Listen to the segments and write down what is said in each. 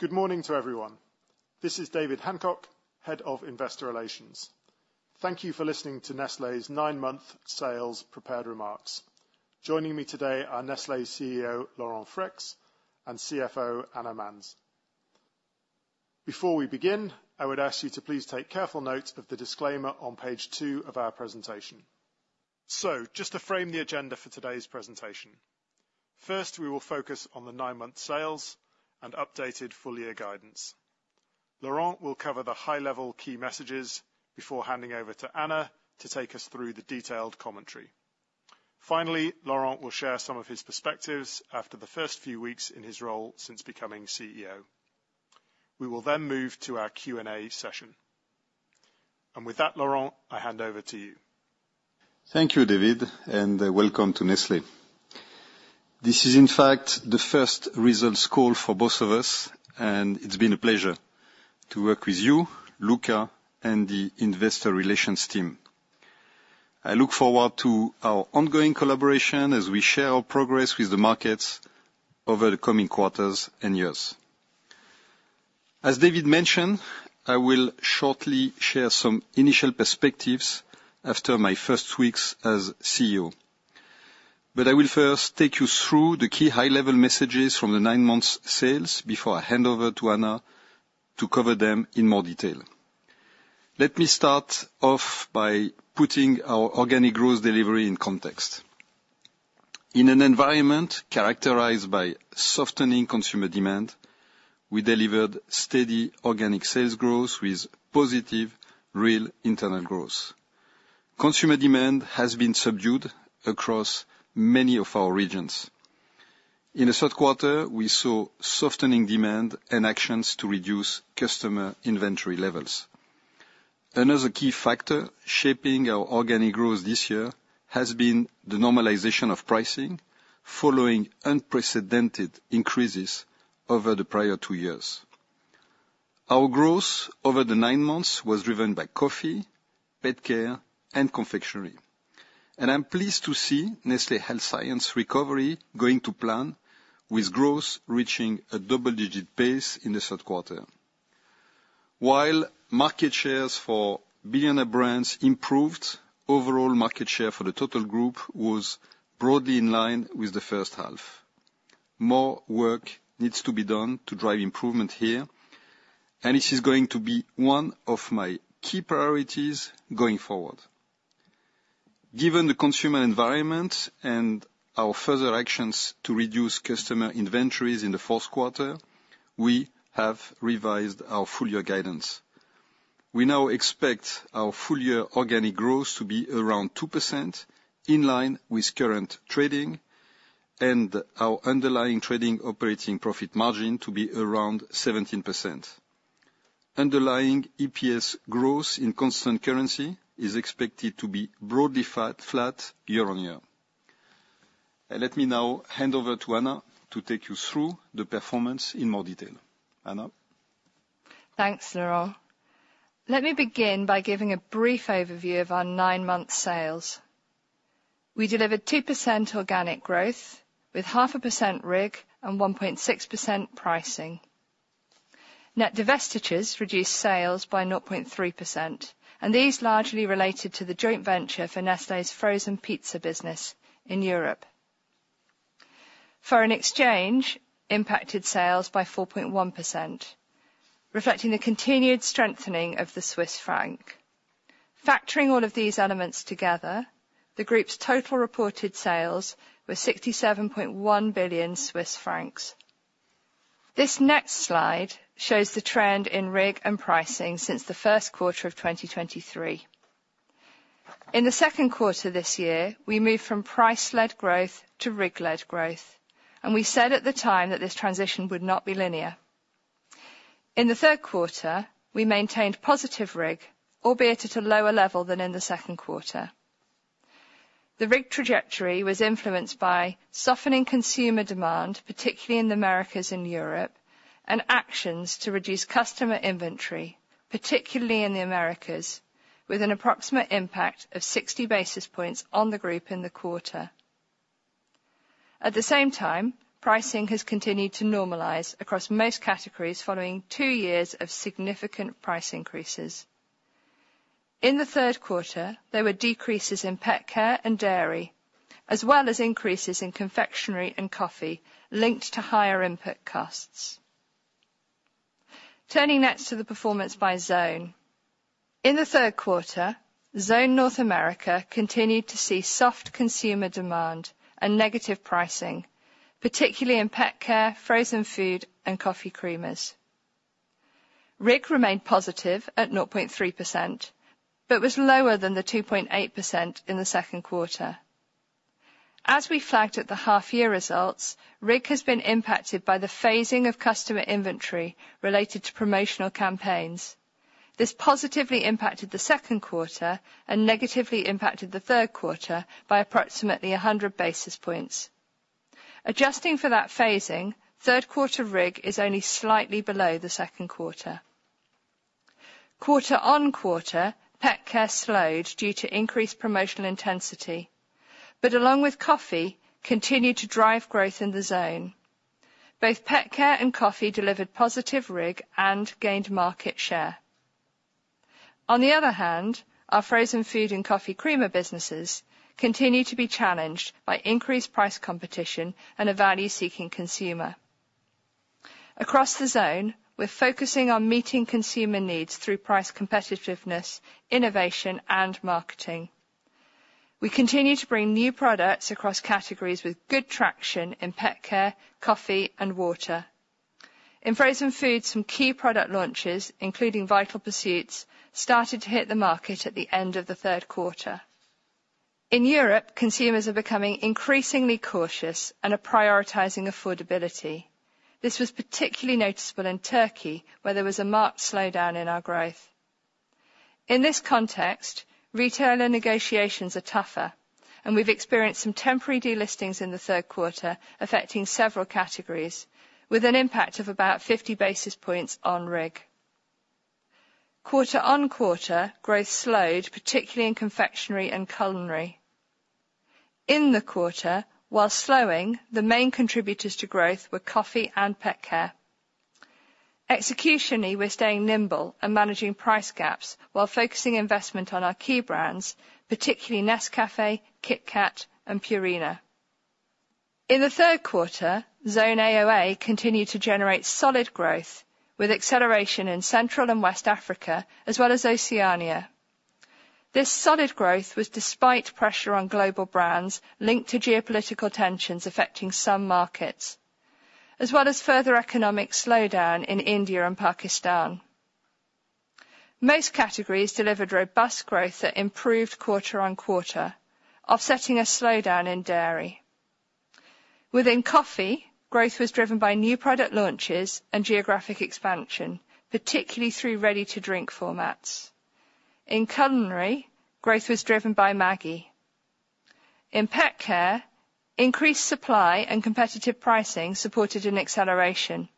Good morning to everyone. This is David Hancock, head of investor relations. Thank you for listening to Nestlé's nine-month sales prepared remarks. Joining me today are Nestlé's CEO, Laurent Freixe, and CFO, Anna Manz. Before we begin, I would ask you to please take careful note of the disclaimer on page two of our presentation. So just to frame the agenda for today's presentation, first, we will focus on the nine-month sales and updated full-year guidance. Laurent will cover the high-level key messages before handing over to Anna to take us through the detailed commentary. Finally, Laurent will share some of his perspectives after the first few weeks in his role since becoming CEO. We will then move to our Q&A session. And with that, Laurent, I hand over to you. Thank you, David, and welcome to Nestlé. This is in fact the first results call for both of us, and it's been a pleasure to work with you, Luca, and the investor relations team. I look forward to our ongoing collaboration as we share our progress with the markets over the coming quarters and years. As David mentioned, I will shortly share some initial perspectives after my first weeks as CEO. But I will first take you through the key high-level messages from the nine-month sales before I hand over to Anna to cover them in more detail. Let me start off by putting our organic growth delivery in context. In an environment characterized by softening consumer demand, we delivered steady organic sales growth with positive real internal growth. Consumer demand has been subdued across many of our regions. In the third quarter, we saw softening demand and actions to reduce customer inventory levels. Another key factor shaping our organic growth this year has been the normalization of pricing, following unprecedented increases over the prior two years. Our growth over the nine months was driven by coffee, pet care, and confectionery, and I'm pleased to see Nestlé Health Science recovery going to plan, with growth reaching a double-digit pace in the third quarter. While market shares for billionaire brands improved, overall market share for the total group was broadly in line with the first half. More work needs to be done to drive improvement here, and this is going to be one of my key priorities going forward. Given the consumer environment and our further actions to reduce customer inventories in the fourth quarter, we have revised our full-year guidance. We now expect our full-year organic growth to be around 2%, in line with current trading, and our underlying Trading Operating Profit margin to be around 17%. Underlying EPS growth in constant currency is expected to be broadly flat, flat year-on-year. Let me now hand over to Anna to take you through the performance in more detail. Anna? Thanks, Laurent. Let me begin by giving a brief overview of our nine-month sales. We delivered 2% organic growth, with 0.5% RIG and 1.6% pricing. Net divestitures reduced sales by 0.3%, and these largely related to the joint venture for Nestlé's frozen pizza business in Europe. Foreign exchange impacted sales by 4.1%, reflecting the continued strengthening of the Swiss franc. Factoring all of these elements together, the group's total reported sales were 67.1 billion Swiss francs. This next slide shows the trend in RIG and pricing since the first quarter of 2023. In the second quarter this year, we moved from price-led growth to RIG-led growth, and we said at the time that this transition would not be linear. In the third quarter, we maintained positive RIG, albeit at a lower level than in the second quarter. The RIG trajectory was influenced by softening consumer demand, particularly in the Americas and Europe, and actions to reduce customer inventory, particularly in the Americas, with an approximate impact of 60 basis points on the group in the quarter. At the same time, pricing has continued to normalize across most categories following two years of significant price increases. In the third quarter, there were decreases in pet care and dairy, as well as increases in confectionery and coffee linked to higher input costs. Turning next to the performance by zone. In the third quarter, Zone North America continued to see soft consumer demand and negative pricing, particularly in pet care, frozen food, and coffee creamers. RIG remained positive at 0.3%, but was lower than the 2.8% in the second quarter. As we flagged at the half-year results, RIG has been impacted by the phasing of customer inventory related to promotional campaigns. This positively impacted the second quarter and negatively impacted the third quarter by approximately 100 basis points. Adjusting for that phasing, third quarter RIG is only slightly below the second quarter. Quarter on quarter, pet care slowed due to increased promotional intensity, but along with coffee, continued to drive growth in the zone. Both pet care and coffee delivered positive RIG and gained market share. On the other hand, our frozen food and coffee creamer businesses continue to be challenged by increased price competition and a value-seeking consumer. Across the zone, we're focusing on meeting consumer needs through price competitiveness, innovation, and marketing. We continue to bring new products across categories with good traction in pet care, coffee, and water. In frozen foods, some key product launches, including Vital Pursuit, started to hit the market at the end of the third quarter. In Europe, consumers are becoming increasingly cautious and are prioritizing affordability. This was particularly noticeable in Turkey, where there was a marked slowdown in our growth. In this context, retailer negotiations are tougher, and we've experienced some temporary delistings in the third quarter, affecting several categories, with an impact of about 50 basis points on RIG. Quarter on quarter, growth slowed, particularly in confectionery and culinary. In the quarter, while slowing, the main contributors to growth were coffee and pet care. Executionally, we're staying nimble and managing price gaps while focusing investment on our key brands, particularly Nescafé, KitKat, and Purina. In the third quarter, Zone AOA continued to generate solid growth, with acceleration in Central and West Africa, as well as Oceania. This solid growth was despite pressure on global brands linked to geopolitical tensions affecting some markets, as well as further economic slowdown in India and Pakistan. Most categories delivered robust growth that improved quarter on quarter, offsetting a slowdown in dairy. Within coffee, growth was driven by new product launches and geographic expansion, particularly through ready-to-drink formats. In culinary, growth was driven by Maggi. In pet care, increased supply and competitive pricing supported an acceleration,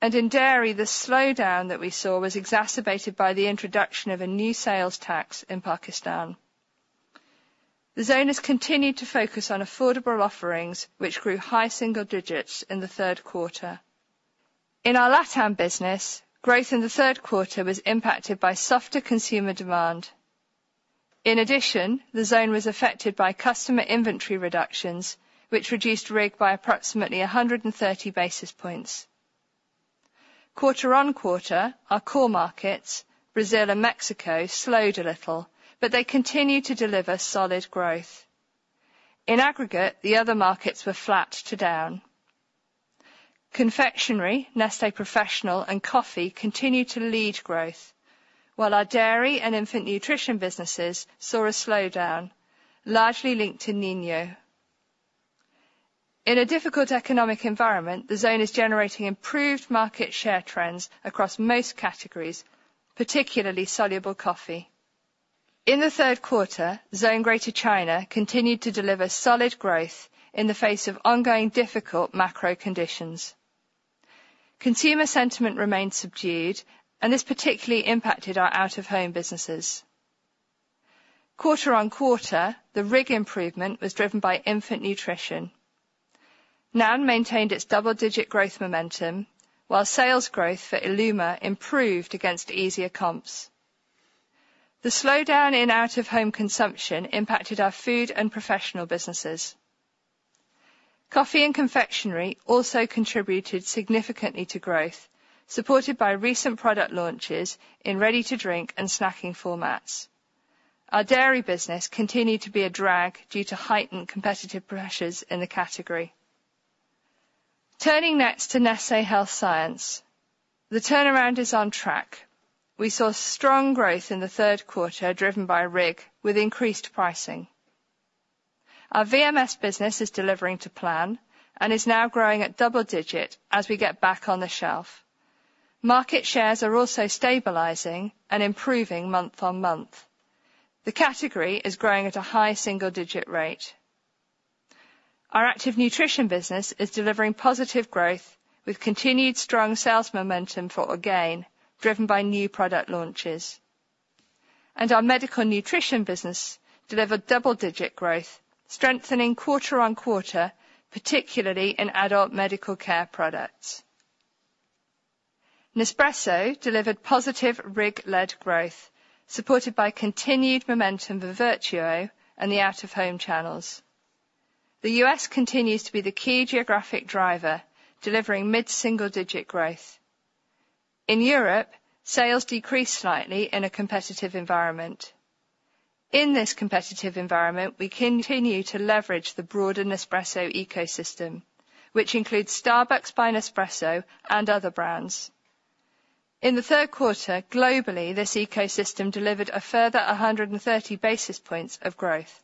and in dairy, the slowdown that we saw was exacerbated by the introduction of a new sales tax in Pakistan. The zone has continued to focus on affordable offerings, which grew high single digits in the third quarter. In our LatAm business, growth in the third quarter was impacted by softer consumer demand. In addition, the zone was affected by customer inventory reductions, which reduced RIG by approximately a hundred and thirty basis points. Quarter on quarter, our core markets, Brazil and Mexico, slowed a little, but they continued to deliver solid growth. In aggregate, the other markets were flat to down. Confectionery, Nestlé Professional, and coffee continued to lead growth, while our dairy and infant nutrition businesses saw a slowdown, largely linked to El Niño. In a difficult economic environment, the zone is generating improved market share trends across most categories, particularly soluble coffee. In the third quarter, Zone Greater China continued to deliver solid growth in the face of ongoing difficult macro conditions. Consumer sentiment remained subdued, and this particularly impacted our out-of-home businesses. Quarter on quarter, the RIG improvement was driven by infant nutrition. NAN maintained its double-digit growth momentum, while sales growth for Illuma improved against easier comps. The slowdown in out-of-home consumption impacted our food and professional businesses. Coffee and confectionery also contributed significantly to growth, supported by recent product launches in ready-to-drink and snacking formats. Our dairy business continued to be a drag due to heightened competitive pressures in the category. Turning next to Nestlé Health Science, the turnaround is on track. We saw strong growth in the third quarter, driven by RIG, with increased pricing. Our VMS business is delivering to plan and is now growing at double-digit as we get back on the shelf. Market shares are also stabilizing and improving month-on-month. The category is growing at a high single-digit rate. Our active nutrition business is delivering positive growth, with continued strong sales momentum, driven by new product launches. And our medical nutrition business delivered double-digit growth, strengthening quarter-on-quarter, particularly in adult medical care products. Nespresso delivered positive RIG-led growth, supported by continued momentum of Vertuo and the out-of-home channels. The U.S. continues to be the key geographic driver, delivering mid-single-digit growth. In Europe, sales decreased slightly in a competitive environment. In this competitive environment, we continue to leverage the broader Nespresso ecosystem, which includes Starbucks by Nespresso and other brands. In the third quarter, globally, this ecosystem delivered a further a hundred and thirty basis points of growth.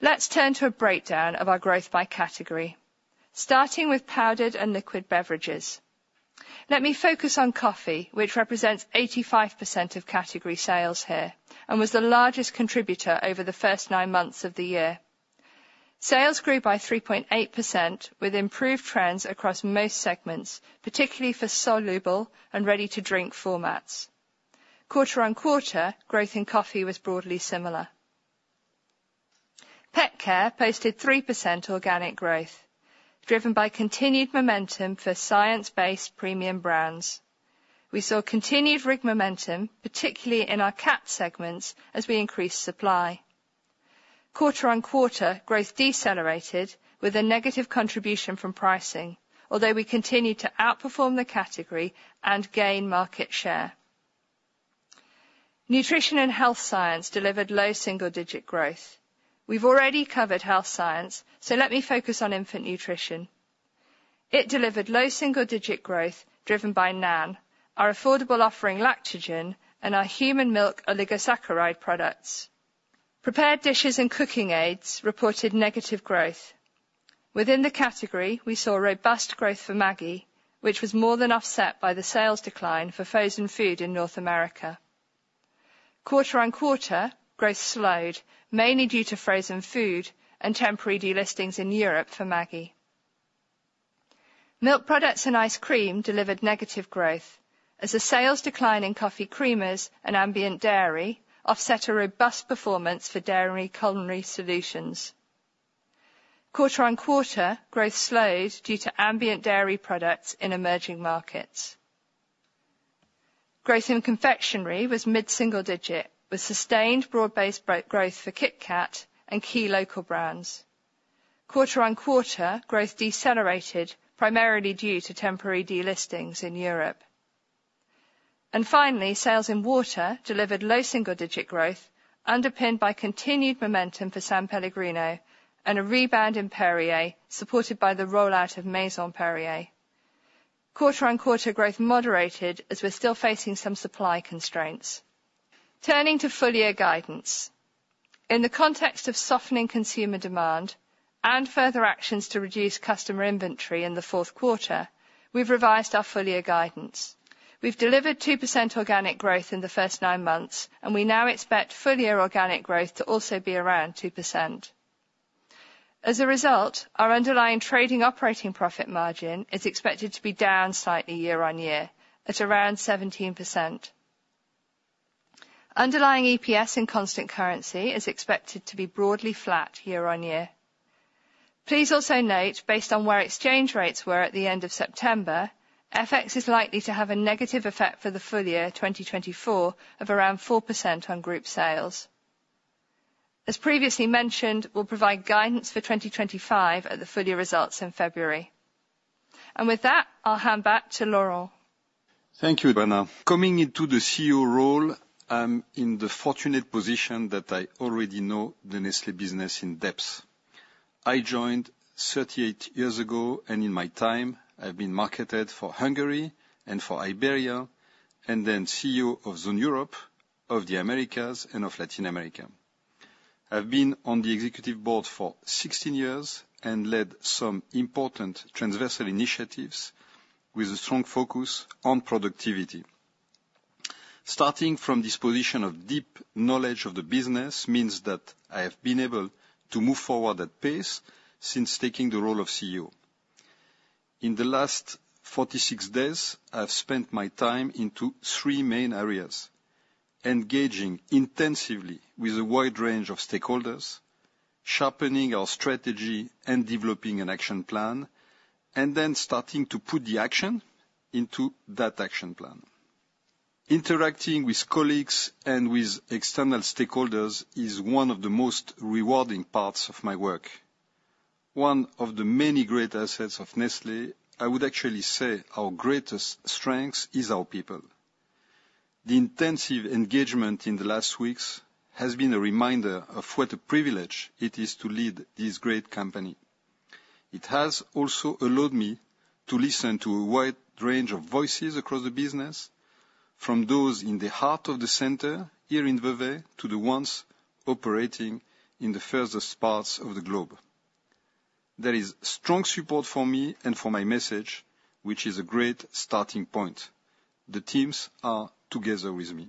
Let's turn to a breakdown of our growth by category, starting with powdered and liquid beverages. Let me focus on coffee, which represents 85% of category sales here, and was the largest contributor over the first nine months of the year.... Sales grew by 3.8%, with improved trends across most segments, particularly for soluble and ready-to-drink formats. Quarter on quarter, growth in coffee was broadly similar. Pet Care posted 3% organic growth, driven by continued momentum for science-based premium brands. We saw continued RIG momentum, particularly in our cat segments, as we increased supply. Quarter on quarter, growth decelerated with a negative contribution from pricing, although we continued to outperform the category and gain market share. Nutrition and Health Science delivered low single-digit growth. We've already covered Health Science, so let me focus on infant nutrition. It delivered low single-digit growth, driven by NAN, our affordable offering Lactogen, and our human milk oligosaccharides products. Prepared dishes and cooking aids reported negative growth. Within the category, we saw robust growth for Maggi, which was more than offset by the sales decline for frozen food in North America. Quarter on quarter, growth slowed, mainly due to frozen food and temporary delistings in Europe for Maggi. Milk products and ice cream delivered negative growth, as a sales decline in coffee creamers and ambient dairy offset a robust performance for dairy culinary solutions. Quarter on quarter, growth slowed due to ambient dairy products in emerging markets. Growth in confectionery was mid-single digit, with sustained broad-based growth for KitKat and key local brands. Quarter on quarter, growth decelerated, primarily due to temporary delistings in Europe. And finally, sales in water delivered low single-digit growth, underpinned by continued momentum for San Pellegrino and a rebound in Perrier, supported by the rollout of Maison Perrier. Quarter on quarter growth moderated, as we're still facing some supply constraints. Turning to full-year guidance. In the context of softening consumer demand and further actions to reduce customer inventory in the fourth quarter, we've revised our full-year guidance. We've delivered 2% organic growth in the first nine months, and we now expect full-year organic growth to also be around 2%. As a result, our Underlying Trading Operating Profit margin is expected to be down slightly year-on-year, at around 17%. Underlying EPS in constant currency is expected to be broadly flat year-on-year. Please also note, based on where exchange rates were at the end of September, FX is likely to have a negative effect for the full year 2024 of around 4% on group sales. As previously mentioned, we'll provide guidance for 2025 at the full year results in February. And with that, I'll hand back to Laurent. Thank you, Anna. Coming into the CEO role, I'm in the fortunate position that I already know the Nestlé business in depth. I joined thirty-eight years ago, and in my time, I've been head of marketing for Hungary and for Iberia, and then CEO of Zone Europe, of the Americas, and of Latin America. I've been on the executive board for sixteen years and led some important transversal initiatives with a strong focus on productivity. Starting from this position of deep knowledge of the business means that I have been able to move forward at a pace since taking the role of CEO. In the last forty-six days, I've spent my time in three main areas: engaging intensively with a wide range of stakeholders, sharpening our strategy and developing an action plan, and then starting to put that action plan into action. Interacting with colleagues and with external stakeholders is one of the most rewarding parts of my work. One of the many great assets of Nestlé, I would actually say our greatest strength, is our people. The intensive engagement in the last weeks has been a reminder of what a privilege it is to lead this great company. It has also allowed me to listen to a wide range of voices across the business, from those in the heart of the center here in Vevey, to the ones operating in the furthest parts of the globe. There is strong support for me and for my message, which is a great starting point. The teams are together with me.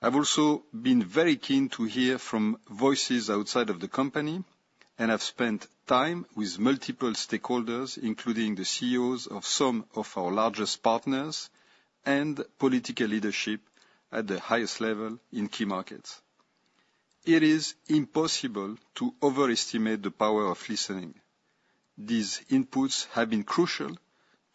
I've also been very keen to hear from voices outside of the company, and I've spent time with multiple stakeholders, including the CEOs of some of our largest partners and political leadership at the highest level in key markets. It is impossible to overestimate the power of listening. These inputs have been crucial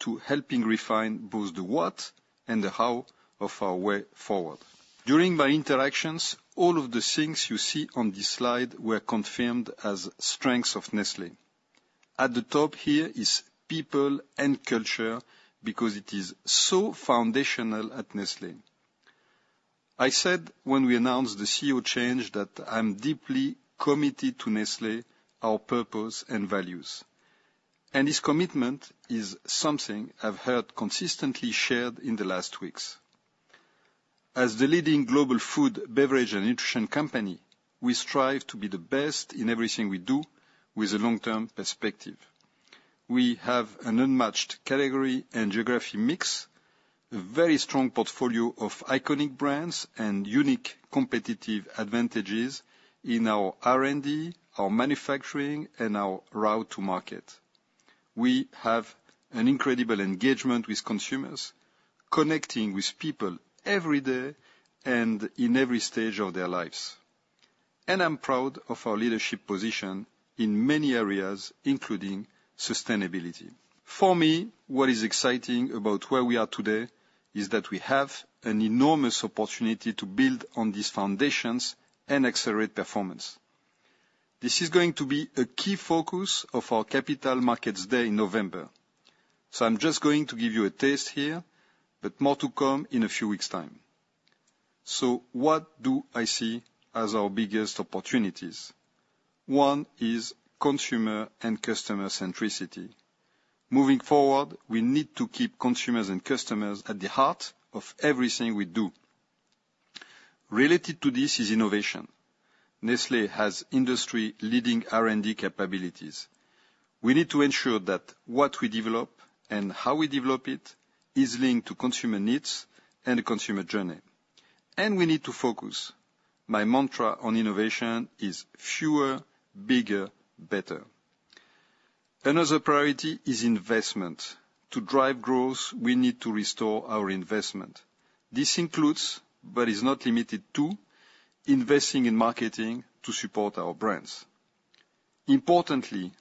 to helping refine both the what and the how of our way forward. During my interactions, all of the things you see on this slide were confirmed as strengths of Nestlé. At the top here is people and culture, because it is so foundational at Nestlé. I said when we announced the CEO change that I'm deeply committed to Nestlé, our purpose and values, and this commitment is something I've heard consistently shared in the last weeks. As the leading global food, beverage, and nutrition company, we strive to be the best in everything we do with a long-term perspective... We have an unmatched category and geography mix, a very strong portfolio of iconic brands, and unique competitive advantages in our R&D, our manufacturing, and our route to market. We have an incredible engagement with consumers, connecting with people every day and in every stage of their lives, and I'm proud of our leadership position in many areas, including sustainability. For me, what is exciting about where we are today is that we have an enormous opportunity to build on these foundations and accelerate performance. This is going to be a key focus of our Capital Markets Day in November, so I'm just going to give you a taste here, but more to come in a few weeks' time. So what do I see as our biggest opportunities? One is consumer and customer centricity. Moving forward, we need to keep consumers and customers at the heart of everything we do. Related to this is innovation. Nestlé has industry-leading R&D capabilities. We need to ensure that what we develop and how we develop it is linked to consumer needs and the consumer journey, and we need to focus. My mantra on innovation is: fewer, bigger, better. Another priority is investment. To drive growth, we need to restore our investment. This includes, but is not limited to, investing in marketing to support our brands. Importantly,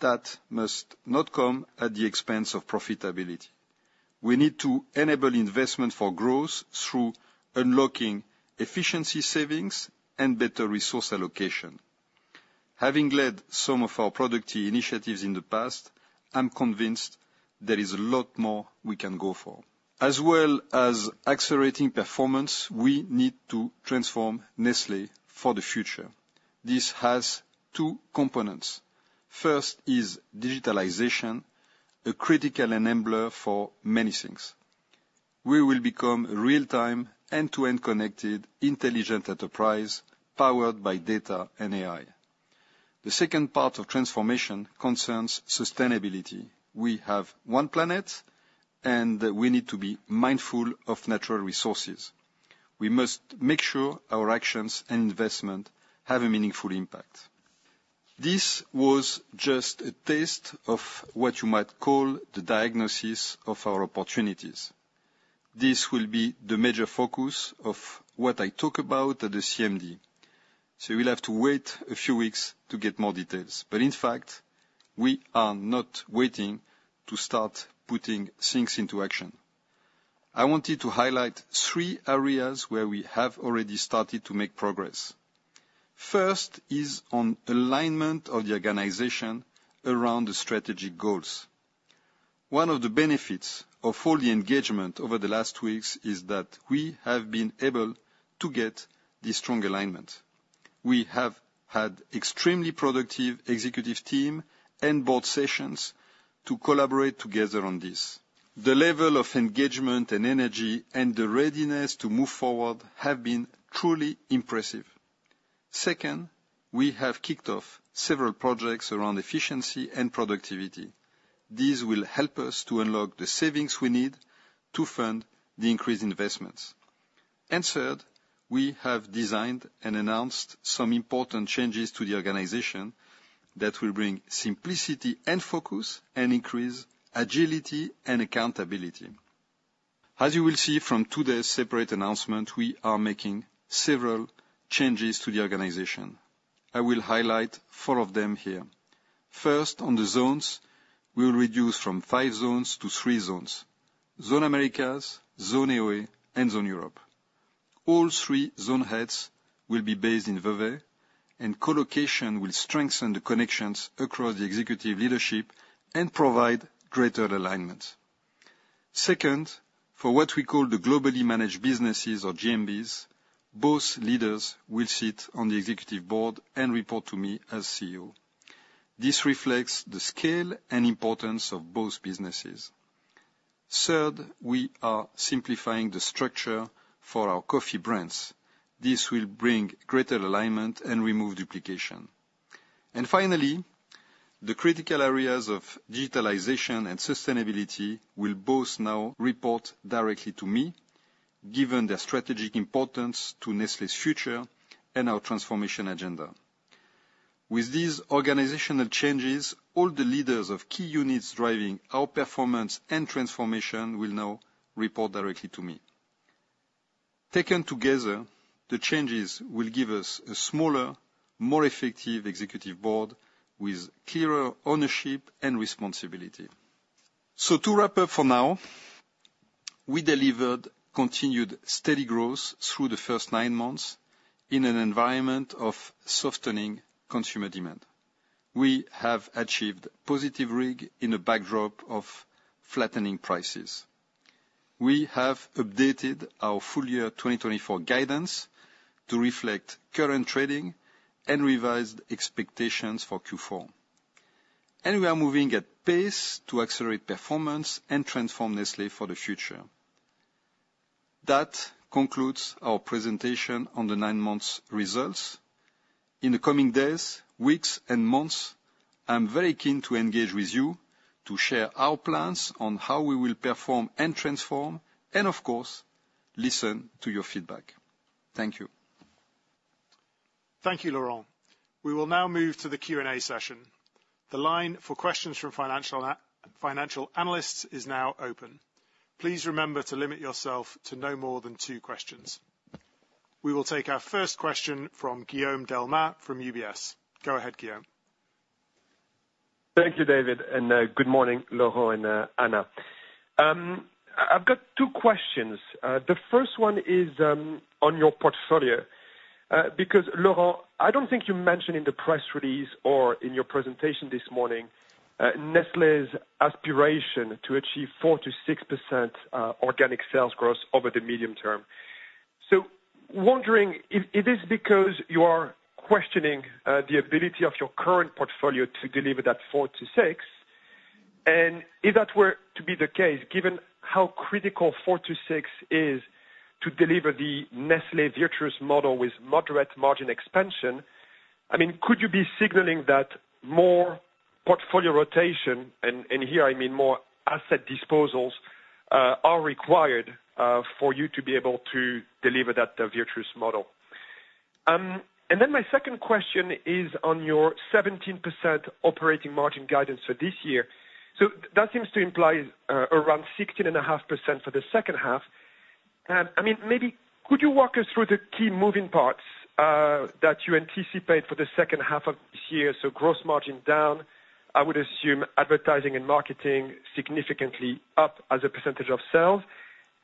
that must not come at the expense of profitability. We need to enable investment for growth through unlocking efficiency savings and better resource allocation. Having led some of our productivity initiatives in the past, I'm convinced there is a lot more we can go for. As well as accelerating performance, we need to transform Nestlé for the future. This has two components. First is digitalization, a critical enabler for many things. We will become a real-time, end-to-end connected, intelligent enterprise, powered by data and AI. The second part of transformation concerns sustainability. We have one planet, and we need to be mindful of natural resources. We must make sure our actions and investment have a meaningful impact. This was just a taste of what you might call the diagnosis of our opportunities. This will be the major focus of what I talk about at the CMD, so you will have to wait a few weeks to get more details, but in fact, we are not waiting to start putting things into action. I wanted to highlight three areas where we have already started to make progress. First is on alignment of the organization around the strategic goals. One of the benefits of all the engagement over the last weeks is that we have been able to get this strong alignment. We have had extremely productive executive team and board sessions to collaborate together on this. The level of engagement and energy, and the readiness to move forward have been truly impressive. Second, we have kicked off several projects around efficiency and productivity. These will help us to unlock the savings we need to fund the increased investments. And third, we have designed and announced some important changes to the organization that will bring simplicity and focus and increase agility and accountability. As you will see from today's separate announcement, we are making several changes to the organization. I will highlight four of them here. First, on the zones, we will reduce from five zones to three zones: Zone Americas, Zone AOA, and Zone Europe. All three zone heads will be based in Vevey, and co-location will strengthen the connections across the executive leadership and provide greater alignment. Second, for what we call the Globally Managed Businesses, or GMBs, both leaders will sit on the Executive Board and report to me as CEO. This reflects the scale and importance of both businesses. Third, we are simplifying the structure for our coffee brands. This will bring greater alignment and remove duplication. And finally, the critical areas of digitalization and sustainability will both now report directly to me, given their strategic importance to Nestlé's future and our transformation agenda. With these organizational changes, all the leaders of key units driving our performance and transformation will now report directly to me. Taken together, the changes will give us a smaller, more effective Executive Board with clearer ownership and responsibility. So to wrap up for now, we delivered continued steady growth through the first nine months in an environment of softening consumer demand. We have achieved positive RIG in a backdrop of flattening prices. We have updated our full year 2024 guidance to reflect current trading and revised expectations for Q4, and we are moving at pace to accelerate performance and transform Nestlé for the future. That concludes our presentation on the nine months results. In the coming days, weeks, and months, I'm very keen to engage with you to share our plans on how we will perform and transform, and of course, listen to your feedback. Thank you. Thank you, Laurent. We will now move to the Q&A session. The line for questions from financial analysts is now open. Please remember to limit yourself to no more than two questions. We will take our first question from Guillaume Delmas, from UBS. Go ahead, Guillaume. Thank you, David, and good morning, Laurent and Anna. I've got two questions. The first one is on your portfolio, because Laurent, I don't think you mentioned in the press release or in your presentation this morning, Nestlé's aspiration to achieve 4-6% organic sales growth over the medium term. So wondering if it is because you are questioning the ability of your current portfolio to deliver that 4-6%? And if that were to be the case, given how critical 4-6% is to deliver the Nestlé Virtuous Model with moderate margin expansion, I mean, could you be signaling that more portfolio rotation, and here I mean more asset disposals, are required for you to be able to deliver that Virtuous Model? And then my second question is on your 17% operating margin guidance for this year. So that seems to imply around 16.5% for the second half. I mean, maybe could you walk us through the key moving parts that you anticipate for the second half of this year? So gross margin down, I would assume advertising and marketing significantly up as a percentage of sales.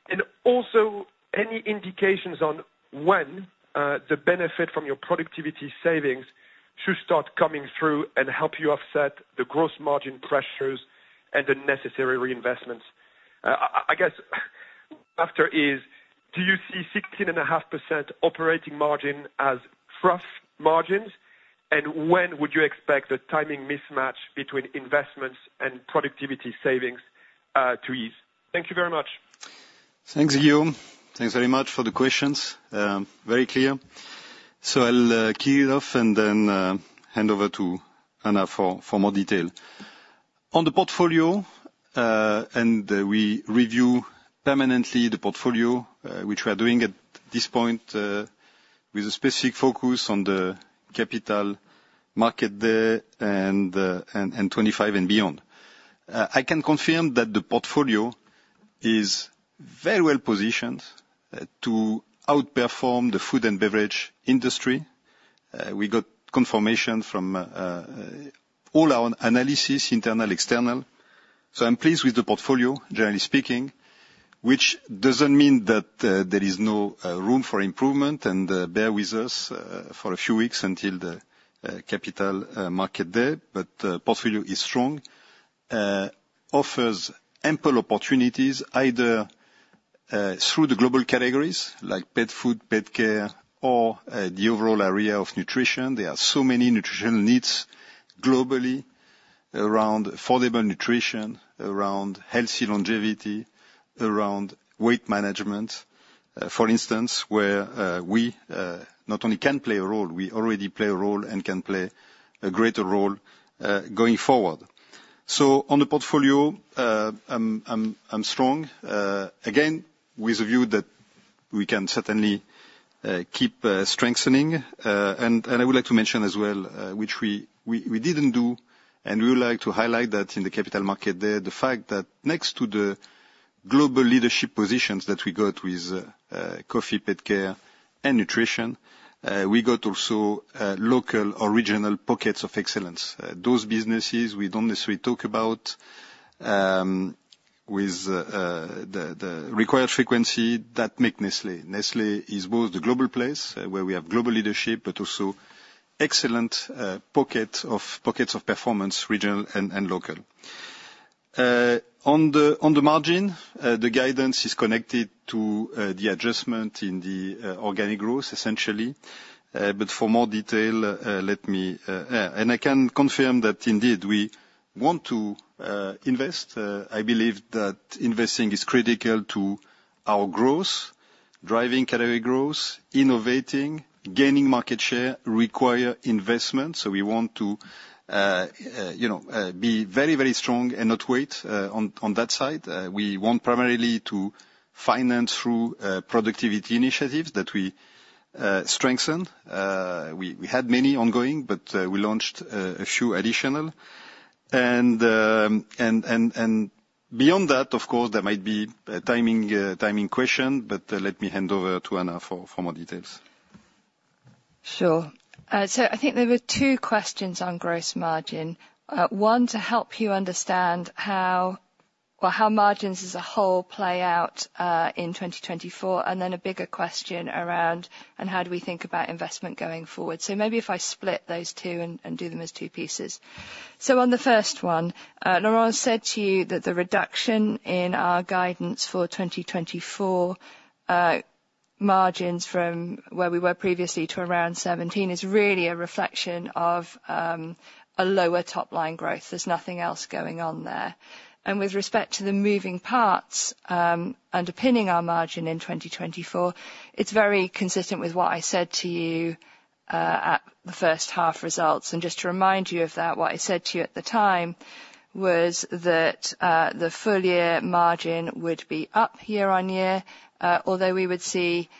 And also, any indications on when the benefit from your productivity savings should start coming through and help you offset the gross margin pressures and the necessary reinvestments? I guess, do you see 16.5% operating margin as underlying margins, and when would you expect the timing mismatch between investments and productivity savings to ease? Thank you very much. Thanks, Guillaume. Thanks very much for the questions. Very clear. So I'll kick it off and then hand over to Anna for more detail. On the portfolio, and we review permanently the portfolio, which we are doing at this point, with a specific focus on the Capital Markets Day, and 2025 and beyond. I can confirm that the portfolio is very well positioned to outperform the food and beverage industry. We got confirmation from all our analysts, internal, external. So I'm pleased with the portfolio, generally speaking, which doesn't mean that there is no room for improvement, and bear with us for a few weeks until the Capital Markets Day. But, portfolio is strong, offers ample opportunities, either through the global categories like pet food, pet care, or the overall area of nutrition. There are so many nutritional needs globally around affordable nutrition, around healthy longevity, around weight management, for instance, where we not only can play a role, we already play a role and can play a greater role going forward. So on the portfolio, I'm strong, again, with a view that we can certainly keep strengthening. And I would like to mention as well, which we didn't do, and we would like to highlight that in the Capital Markets Day, the fact that next to the global leadership positions that we got with coffee, pet care and nutrition, we got also local or regional pockets of excellence. Those businesses we don't necessarily talk about with the required frequency that make Nestlé. Nestlé is both the global player where we have global leadership, but also excellent pockets of performance, regional and local. On the margin, the guidance is connected to the adjustment in the organic growth, essentially. But for more detail, let me. And I can confirm that indeed we want to invest. I believe that investing is critical to our growth, driving category growth, innovating, gaining market share, require investment, so we want to, you know, be very, very strong and not wait on that side. We want primarily to finance through productivity initiatives that we strengthen. We had many ongoing, but we launched a few additional. And beyond that, of course, there might be a timing question, but let me hand over to Anna for more details. Sure. So I think there were two questions on gross margin. One, to help you understand how margins as a whole play out, in 2024, and then a bigger question around how do we think about investment going forward. So maybe if I split those two and do them as two pieces. So on the first one, Laurent said to you that the reduction in our guidance for 2024 margins from where we were previously to around 17% is really a reflection of a lower top line growth. There's nothing else going on there. And with respect to the moving parts underpinning our margin in 2024, it's very consistent with what I said to you at the first half results. Just to remind you of that, what I said to you at the time was that the full year margin would be up year-on-year, although we would see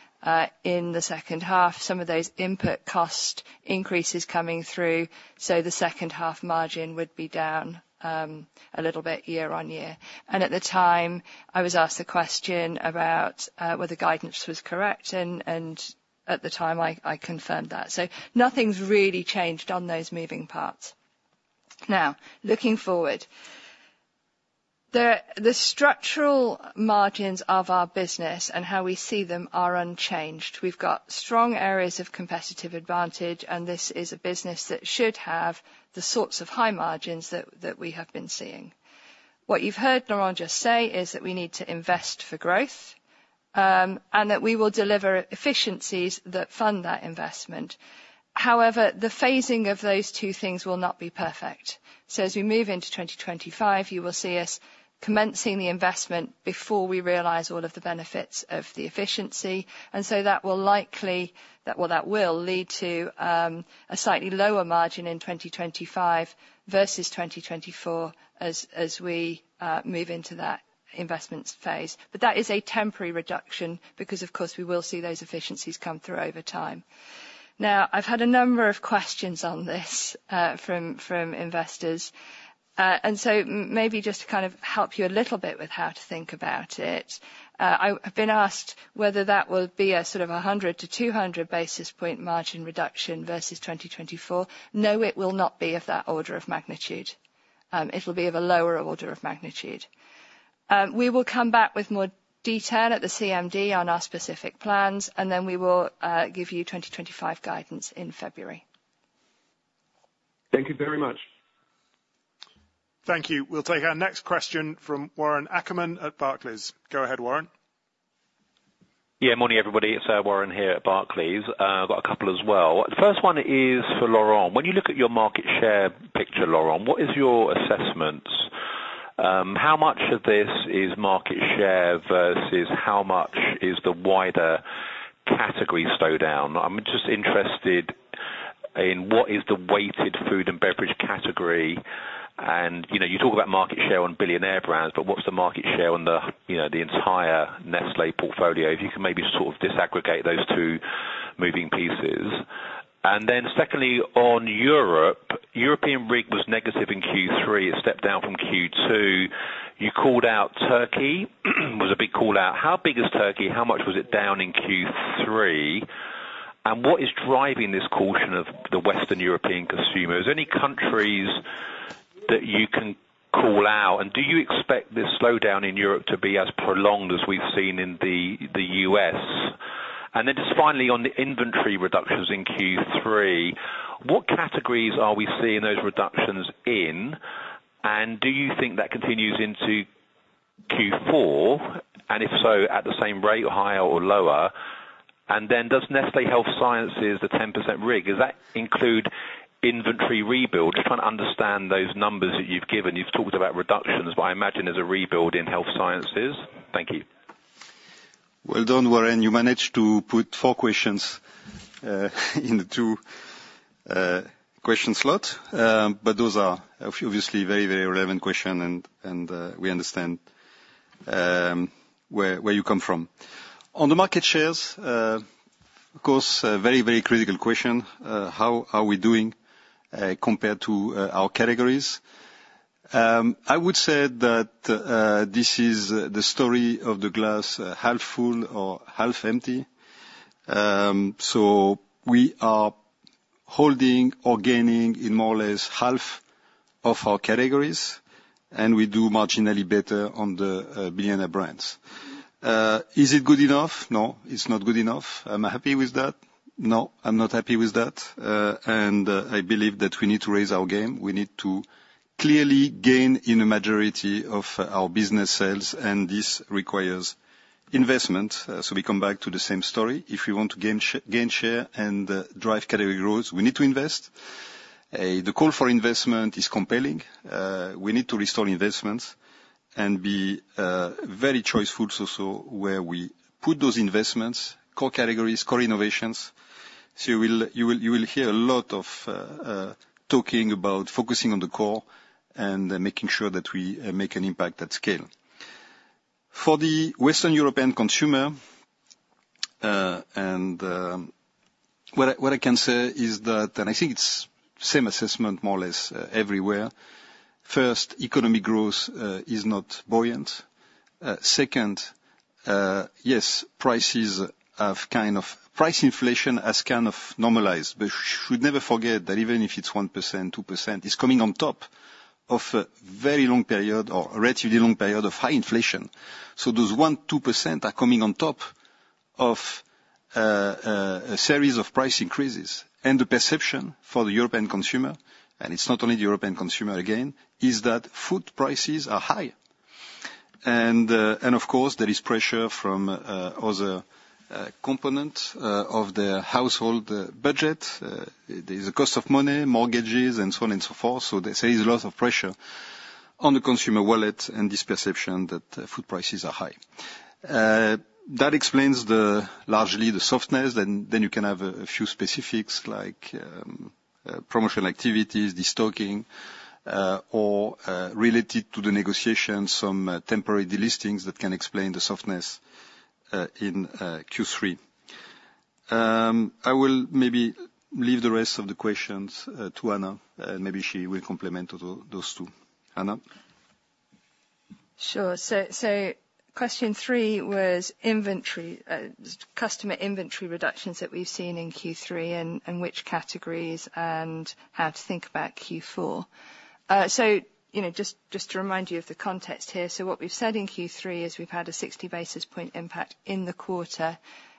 in the second half some of those input cost increases coming through, so the second half margin would be down a little bit year-on-year. At the time, I was asked a question about whether guidance was correct, and at the time I confirmed that. Nothing's really changed on those moving parts. Now, looking forward, the structural margins of our business and how we see them are unchanged. We've got strong areas of competitive advantage, and this is a business that should have the sorts of high margins that we have been seeing. What you've heard Laurent just say is that we need to invest for growth, and that we will deliver efficiencies that fund that investment. However, the phasing of those two things will not be perfect. As we move into 2025, you will see us commencing the investment before we realize all of the benefits of the efficiency. That will lead to a slightly lower margin in 2025 versus 2024, as we move into that investment phase. That is a temporary reduction, because, of course, we will see those efficiencies come through over time. Now, I've had a number of questions on this from investors. And so maybe just to kind of help you a little bit with how to think about it, I've been asked whether that will be a sort of 100-200 basis point margin reduction versus 2024. No, it will not be of that order of magnitude. It'll be of a lower order of magnitude. We will come back with more detail at the CMD on our specific plans, and then we will give you 2025 guidance in February. Thank you very much. Thank you. We'll take our next question from Warren Ackerman at Barclays. Go ahead, Warren. Yeah, morning, everybody. It's Warren here at Barclays. I've got a couple as well. The first one is for Laurent. When you look at your market share picture, Laurent, what is your assessment? How much of this is market share versus how much is the wider category slowdown? I'm just interested in what is the weighted food and beverage category, and, you know, you talk about market share on billionaire brands, but what's the market share on the, you know, the entire Nestlé portfolio? If you can maybe sort of disaggregate those two moving pieces. And then secondly, on Europe, European RIG was negative in Q3. It stepped down from Q2. You called out Turkey, was a big call-out. How big is Turkey? How much was it down in Q3? And what is driving this caution of the Western European consumer? Is there any countries that you can call out? And do you expect this slowdown in Europe to be as prolonged as we've seen in the U.S.? And then just finally, on the inventory reductions in Q3, what categories are we seeing those reductions in? And do you think that continues into Q4, and if so, at the same rate, higher or lower? And then does Nestlé Health Sciences, the 10% RIG, does that include inventory rebuild? Just trying to understand those numbers that you've given. You've talked about reductions, but I imagine there's a rebuild in Health Sciences. Thank you. Well done, Warren. You managed to put four questions in the two question slot, but those are obviously very, very relevant question, and we understand where you come from. On the market shares, of course, a very, very critical question, how are we doing compared to our categories? I would say that this is the story of the glass half full or half empty. So we are holding or gaining in more or less half of our categories, and we do marginally better on the billionaire brands. Is it good enough? No, it's not good enough. Am I happy with that? No, I'm not happy with that, and I believe that we need to raise our game. We need to clearly gain in a majority of our business sales, and this requires investment, so we come back to the same story. If we want to gain share and drive category growth, we need to invest. The call for investment is compelling. We need to restore investments and be very choiceful also, where we put those investments, core categories, core innovations, so you will hear a lot of talking about focusing on the core and making sure that we make an impact at scale. For the Western European consumer, and what I can say is that, and I think it's the same assessment more or less everywhere, first, economic growth is not buoyant. Second, yes, prices have kind of... Price inflation has kind of normalized, but we should never forget that even if it's 1%, 2%, it's coming on top of a very long period or a relatively long period of high inflation. So those 1%, 2% are coming on top of a series of price increases... and of course, there is pressure from other components of the household budget. There's a cost of money, mortgages, and so on and so forth, so there is a lot of pressure on the consumer wallet and this perception that food prices are high. That explains largely the softness, and then you can have a few specifics, like promotion activities, destocking, or related to the negotiations, some temporary delistings that can explain the softness in Q3. I will maybe leave the rest of the questions to Anna, and maybe she will complement those two. Anna? Sure. Question three was inventory, customer inventory reductions that we've seen in Q3, and which categories, and how to think about Q4. You know, just to remind you of the context here, what we've said in Q3 is we've had a 60 basis point impact in the quarter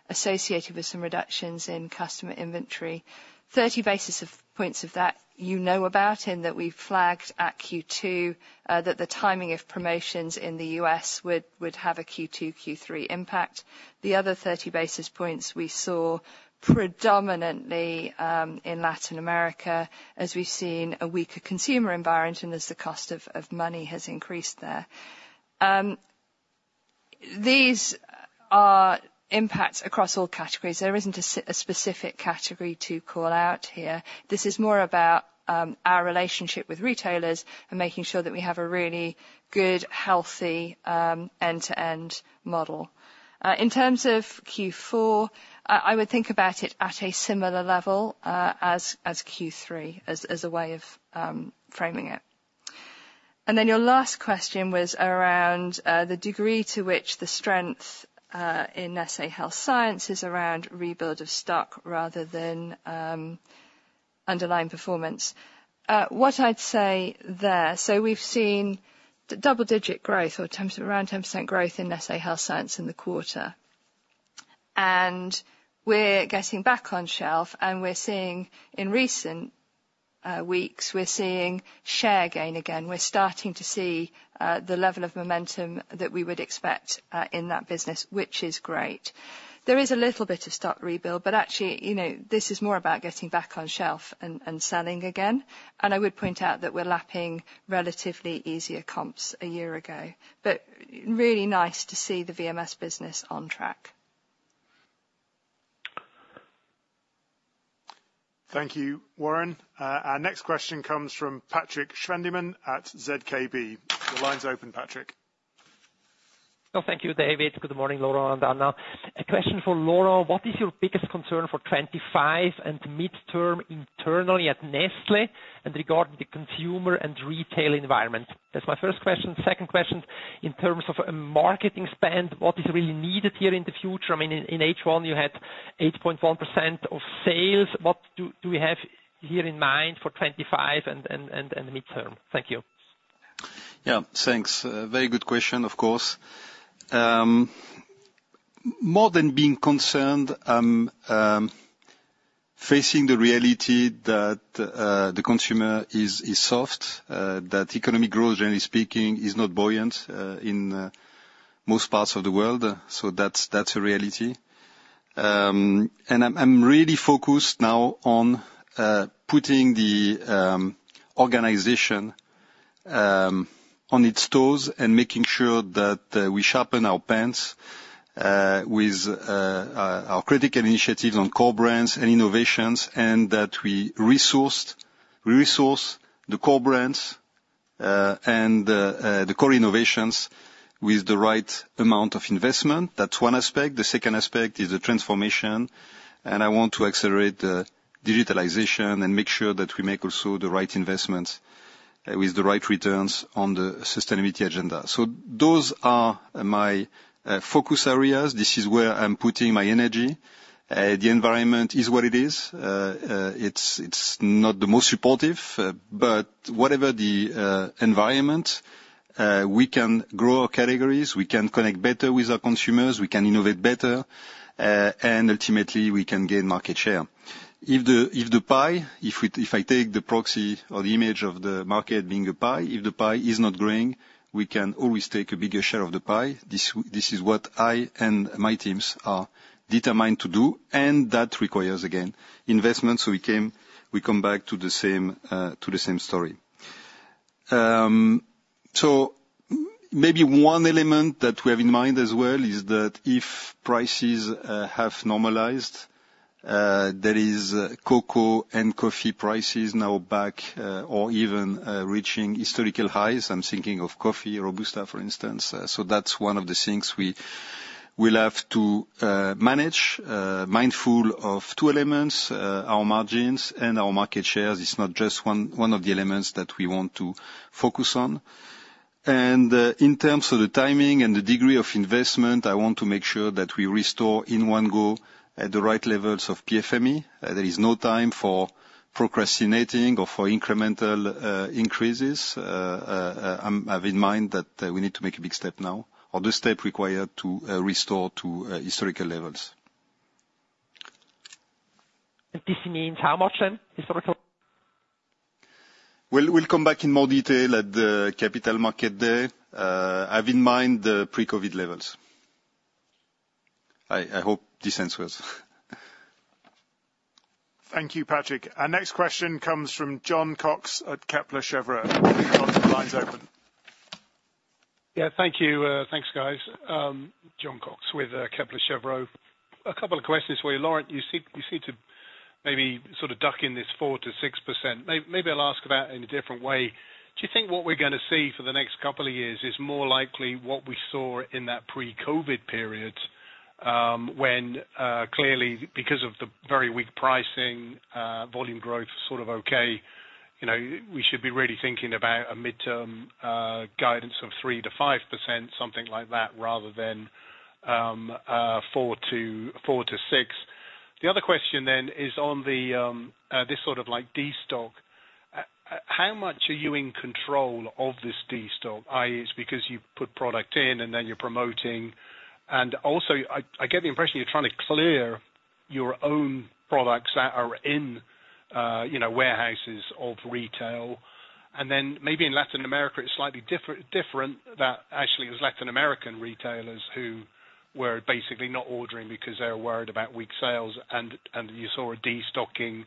associated with some reductions in customer inventory. 30 basis points of that, you know about, in that we flagged at Q2, that the timing of promotions in the U.S. would have a Q2/Q3 impact. The other 30 basis points, we saw predominantly, in Latin America, as we've seen a weaker consumer environment and as the cost of money has increased there. These are impacts across all categories. There isn't a specific category to call out here. This is more about, our relationship with retailers and making sure that we have a really good, healthy, end-to-end model. In terms of Q4, I would think about it at a similar level, as Q3, as a way of framing it. Then your last question was around, the degree to which the strength in Nestlé Health Science is around rebuild of stock rather than, underlying performance. What I'd say there, so we've seen double-digit growth or 10, around 10% growth in Nestlé Health Science in the quarter. We're getting back on shelf, and we're seeing... In recent weeks, we're seeing share gain again. We're starting to see, the level of momentum that we would expect, in that business, which is great. There is a little bit of stock rebuild, but actually, you know, this is more about getting back on shelf and selling again, and I would point out that we're lapping relatively easier comps a year ago, but really nice to see the VMS business on track. Thank you, Warren. Our next question comes from Patrick Schwendimann at ZKB. Your line's open, Patrick. Oh, thank you, David. Good morning, Laurent and Anna. A question for Laurent: what is your biggest concern for 2025 and midterm internally at Nestlé and regarding the consumer and retail environment? That's my first question. Second question, in terms of a marketing spend, what is really needed here in the future? I mean, in H1, you had 8.1% of sales. What do we have here in mind for 2025 and the midterm? Thank you. Yeah, thanks. Very good question, of course. More than being concerned, facing the reality that the consumer is soft, that economic growth, generally speaking, is not buoyant in most parts of the world, so that's a reality. And I'm really focused now on putting the organization on its toes and making sure that we sharpen our pens with our critical initiatives on core brands and innovations, and that we resourced, resource the core brands and the core innovations with the right amount of investment. That's one aspect. The second aspect is the transformation, and I want to accelerate the digitalization and make sure that we make also the right investments with the right returns on the sustainability agenda. So those are my focus areas. This is where I'm putting my energy. The environment is what it is. It's not the most supportive, but whatever the environment, we can grow our categories, we can connect better with our consumers, we can innovate better, and ultimately, we can gain market share. If the pie. If we, if I take the proxy or the image of the market being a pie, if the pie is not growing, we can always take a bigger share of the pie. This is what I and my teams are determined to do, and that requires, again, investment, so we came, we come back to the same story. So maybe one element that we have in mind as well is that if prices have normalized, there is cocoa and coffee prices now back or even reaching historical highs. I'm thinking of coffee, Robusta, for instance. So that's one of the things we will have to manage, mindful of two elements, our margins and our market shares. It's not just one of the elements that we want to focus on. And in terms of the timing and the degree of investment, I want to make sure that we restore in one go at the right levels of PFME. There is no time for procrastinating or for incremental increases. I have in mind that we need to make a big step now or the step required to restore to historical levels. This means how much then, historically? We'll come back in more detail at the Capital Markets Day. Have in mind the pre-COVID levels. I hope this answers. Thank you, Patrick. Our next question comes from John Cox at Kepler Cheuvreux. John, the line's open. Yeah, thank you. Thanks, guys. John Cox with Kepler Cheuvreux. A couple of questions for you, Laurent. You seem to maybe sort of duck in this 4-6%. Maybe I'll ask about it in a different way. Do you think what we're gonna see for the next couple of years is more likely what we saw in that pre-COVID period, when clearly, because of the very weak pricing, volume growth sort of okay, you know, we should be really thinking about a midterm guidance of 3-5%, something like that, rather than a 4-6%? The other question then is on this sort of like destock. How much are you in control of this destock? i.e., it's because you've put product in, and then you're promoting. And also, I get the impression you're trying to clear your own products that are in, you know, warehouses of retail. And then maybe in Latin America, it's slightly different, that actually it was Latin American retailers who were basically not ordering because they were worried about weak sales, and you saw a destocking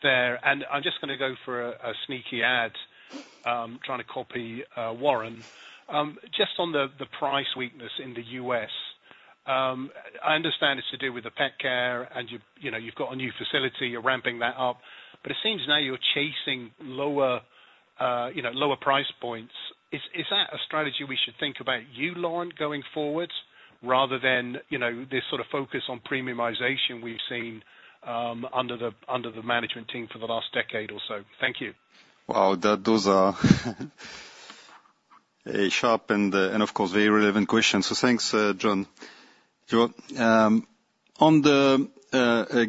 there. And I'm just gonna go for a sneaky ad, trying to copy Warren. Just on the price weakness in the U.S., I understand it's to do with the pet care, and you know, you've got a new facility, you're ramping that up. But it seems now you're chasing lower, you know, lower price points. Is that a strategy we should think about you, Laurent, going forward, rather than, you know, this sort of focus on premiumization we've seen under the management team for the last decade or so? Thank you. Wow, those are a sharp and, of course, very relevant questions. Thanks, John. John, on the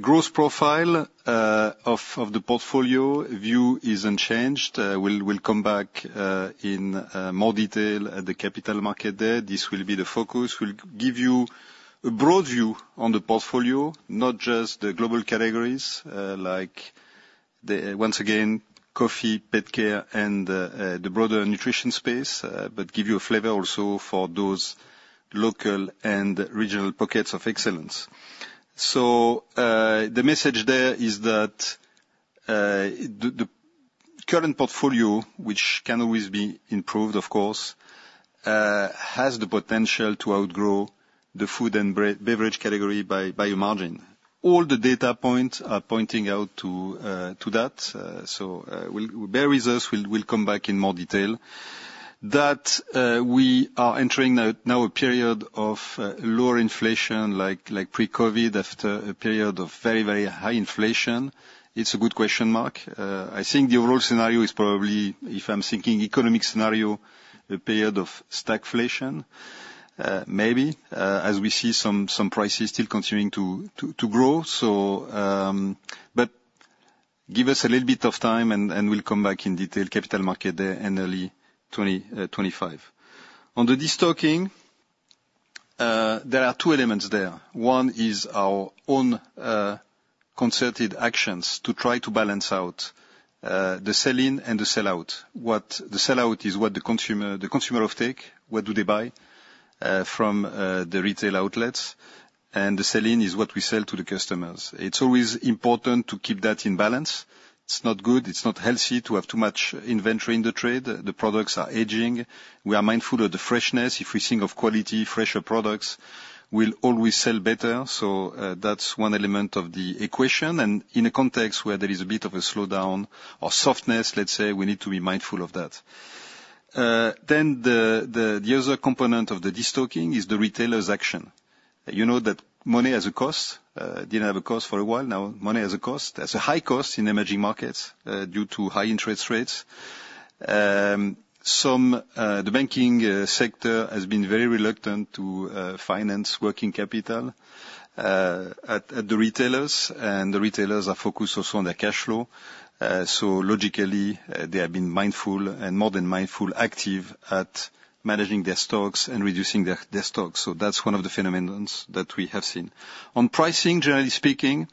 growth profile of the portfolio, view is unchanged. We'll come back in more detail at the Capital Markets Day. This will be the focus. We'll give you a broad view on the portfolio, not just the global categories, like once again, coffee, pet care, and the broader nutrition space, but give you a flavor also for those local and regional pockets of excellence. The message there is that the current portfolio, which can always be improved, of course, has the potential to outgrow the food and beverage category by a margin. All the data points are pointing out to that, so we'll bear with us. We'll come back in more detail. That we are entering now a period of lower inflation, like pre-COVID, after a period of very, very high inflation. It's a good question. I think the overall scenario is probably, if I'm thinking economic scenario, a period of stagflation, maybe, as we see some prices still continuing to grow. But give us a little bit of time, and we'll come back in detail, Capital Markets Day in early 2025. On the destocking, there are two elements there. One is our own concerted actions to try to balance out the sell-in and the sell-out. What, the sell-out is what the consumer, the consumer offtake, what do they buy, from the retail outlets, and the sell-in is what we sell to the customers. It's always important to keep that in balance. It's not good, it's not healthy to have too much inventory in the trade. The products are aging. We are mindful of the freshness. If we think of quality, fresher products will always sell better, so that's one element of the equation, and in a context where there is a bit of a slowdown or softness, let's say, we need to be mindful of that, then the other component of the destocking is the retailer's action. You know that money has a cost. Didn't have a cost for a while, now money has a cost. There's a high cost in emerging markets due to high interest rates. Some, the banking sector has been very reluctant to finance working capital at the retailers, and the retailers are focused also on their cash flow, so logically, they have been mindful and more than mindful, active at managing their stocks and reducing their stocks, so that's one of the fundamentals that we have seen. On pricing, generally speaking,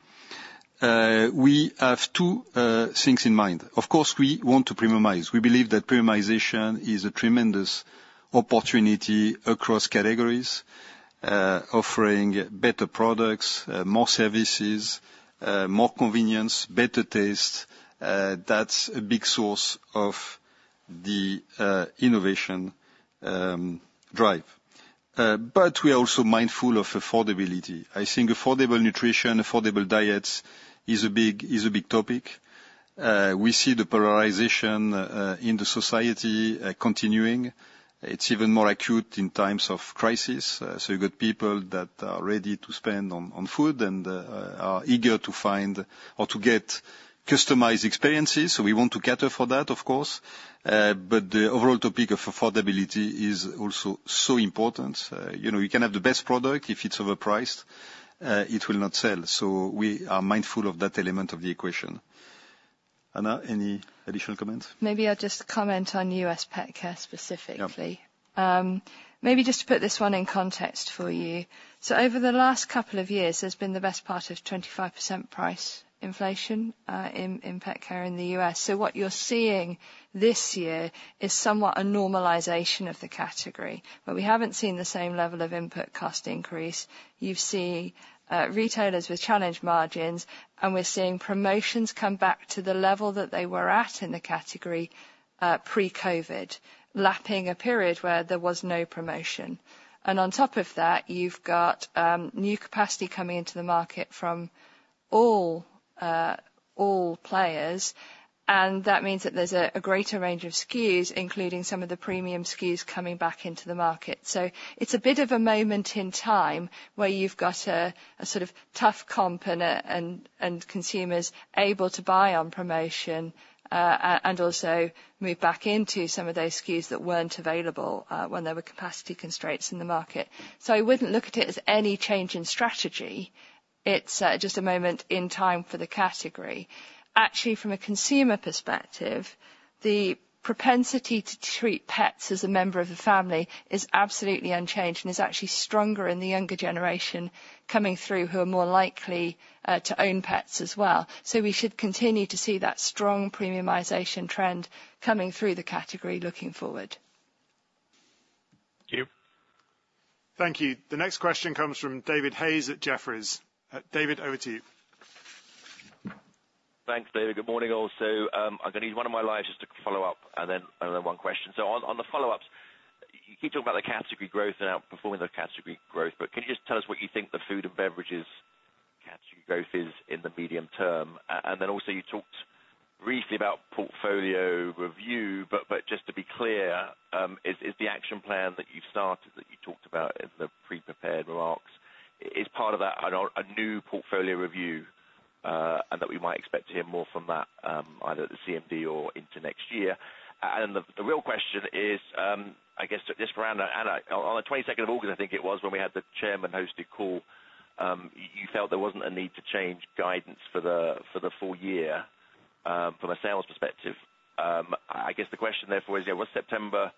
we have two things in mind. Of course, we want to premiumize. We believe that premiumization is a tremendous opportunity across categories, offering better products, more services, more convenience, better taste. That's a big source of the innovation drive, but we are also mindful of affordability. I think affordable nutrition, affordable diets is a big topic. We see the polarization in the society continuing. It's even more acute in times of crisis, so you've got people that are ready to spend on food and are eager to find or to get customized experiences, so we want to cater for that, of course. But the overall topic of affordability is also so important. You know, you can have the best product, if it's overpriced, it will not sell, so we are mindful of that element of the equation. Anna, any additional comments? Maybe I'll just comment on U.S. pet care specifically. Yeah. Maybe just to put this one in context for you. So over the last couple of years, there's been the best part of 25% price inflation in pet care in the U.S. So what you're seeing this year is somewhat a normalization of the category, but we haven't seen the same level of input cost increase. You've seen retailers with challenged margins, and we're seeing promotions come back to the level that they were at in the category pre-COVID, lapping a period where there was no promotion. And on top of that, you've got new capacity coming into the market from all players, and that means that there's a greater range of SKUs, including some of the premium SKUs coming back into the market. So it's a bit of a moment in time, where you've got a sort of tough comp and consumers able to buy on promotion, and also move back into some of those SKUs that weren't available, when there were capacity constraints in the market. So I wouldn't look at it as any change in strategy. It's just a moment in time for the category. Actually, from a consumer perspective, the propensity to treat pets as a member of the family is absolutely unchanged and is actually stronger in the younger generation coming through, who are more likely to own pets as well. So we should continue to see that strong premiumization trend coming through the category looking forward. Thank you. Thank you. The next question comes from David Hayes at Jefferies. David, over to you. Thanks, David. Good morning, also. I'm gonna need one of my slides just to follow up, and then one question. So on the follow-ups, you keep talking about the category growth and outperforming the category growth, but can you just tell us what you think the food and beverages category growth is in the medium term? And then also, you talked briefly about portfolio review, but just to be clear, is the action plan that you've started, that you talked about in the pre-prepared remarks, is part of that a new portfolio review, and that we might expect to hear more from that, either at the CMD or into next year? The real question is, I guess just for Anna, Anna, on the 22nd of August, I think it was, when we had the chairman-hosted call, you felt there wasn't a need to change guidance for the full year, from a sales perspective. I guess the question therefore is, yeah, was September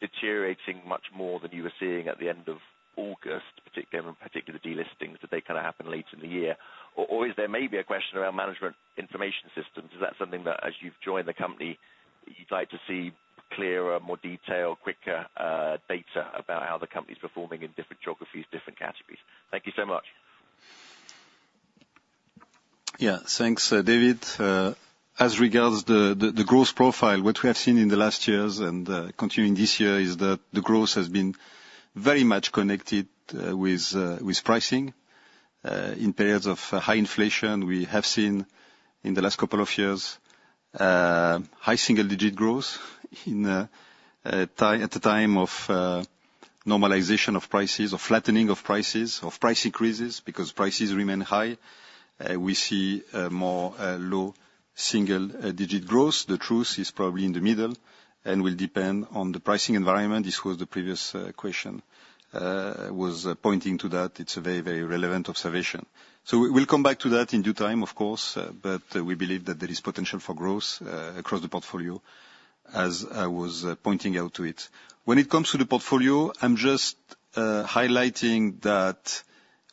deteriorating much more than you were seeing at the end of August, particularly in particular delistings, did they kind of happen later in the year? Or is there maybe a question around management information systems? Is that something that, as you've joined the company, you'd like to see clearer, more detailed, quicker data about how the company's performing in different geographies, different categories? Thank you so much. Yeah, thanks, David. As regards the growth profile, what we have seen in the last years and continuing this year, is that the growth has been very much connected with pricing. In periods of high inflation, we have seen, in the last couple of years, high single-digit growth. In a time of normalization of prices, or flattening of prices, of price increases, because prices remain high, we see more low single-digit growth. The truth is probably in the middle and will depend on the pricing environment. This was the previous question was pointing to that. It's a very relevant observation. So we'll come back to that in due time, of course, but we believe that there is potential for growth across the portfolio, as I was pointing out to it. When it comes to the portfolio, I'm just highlighting that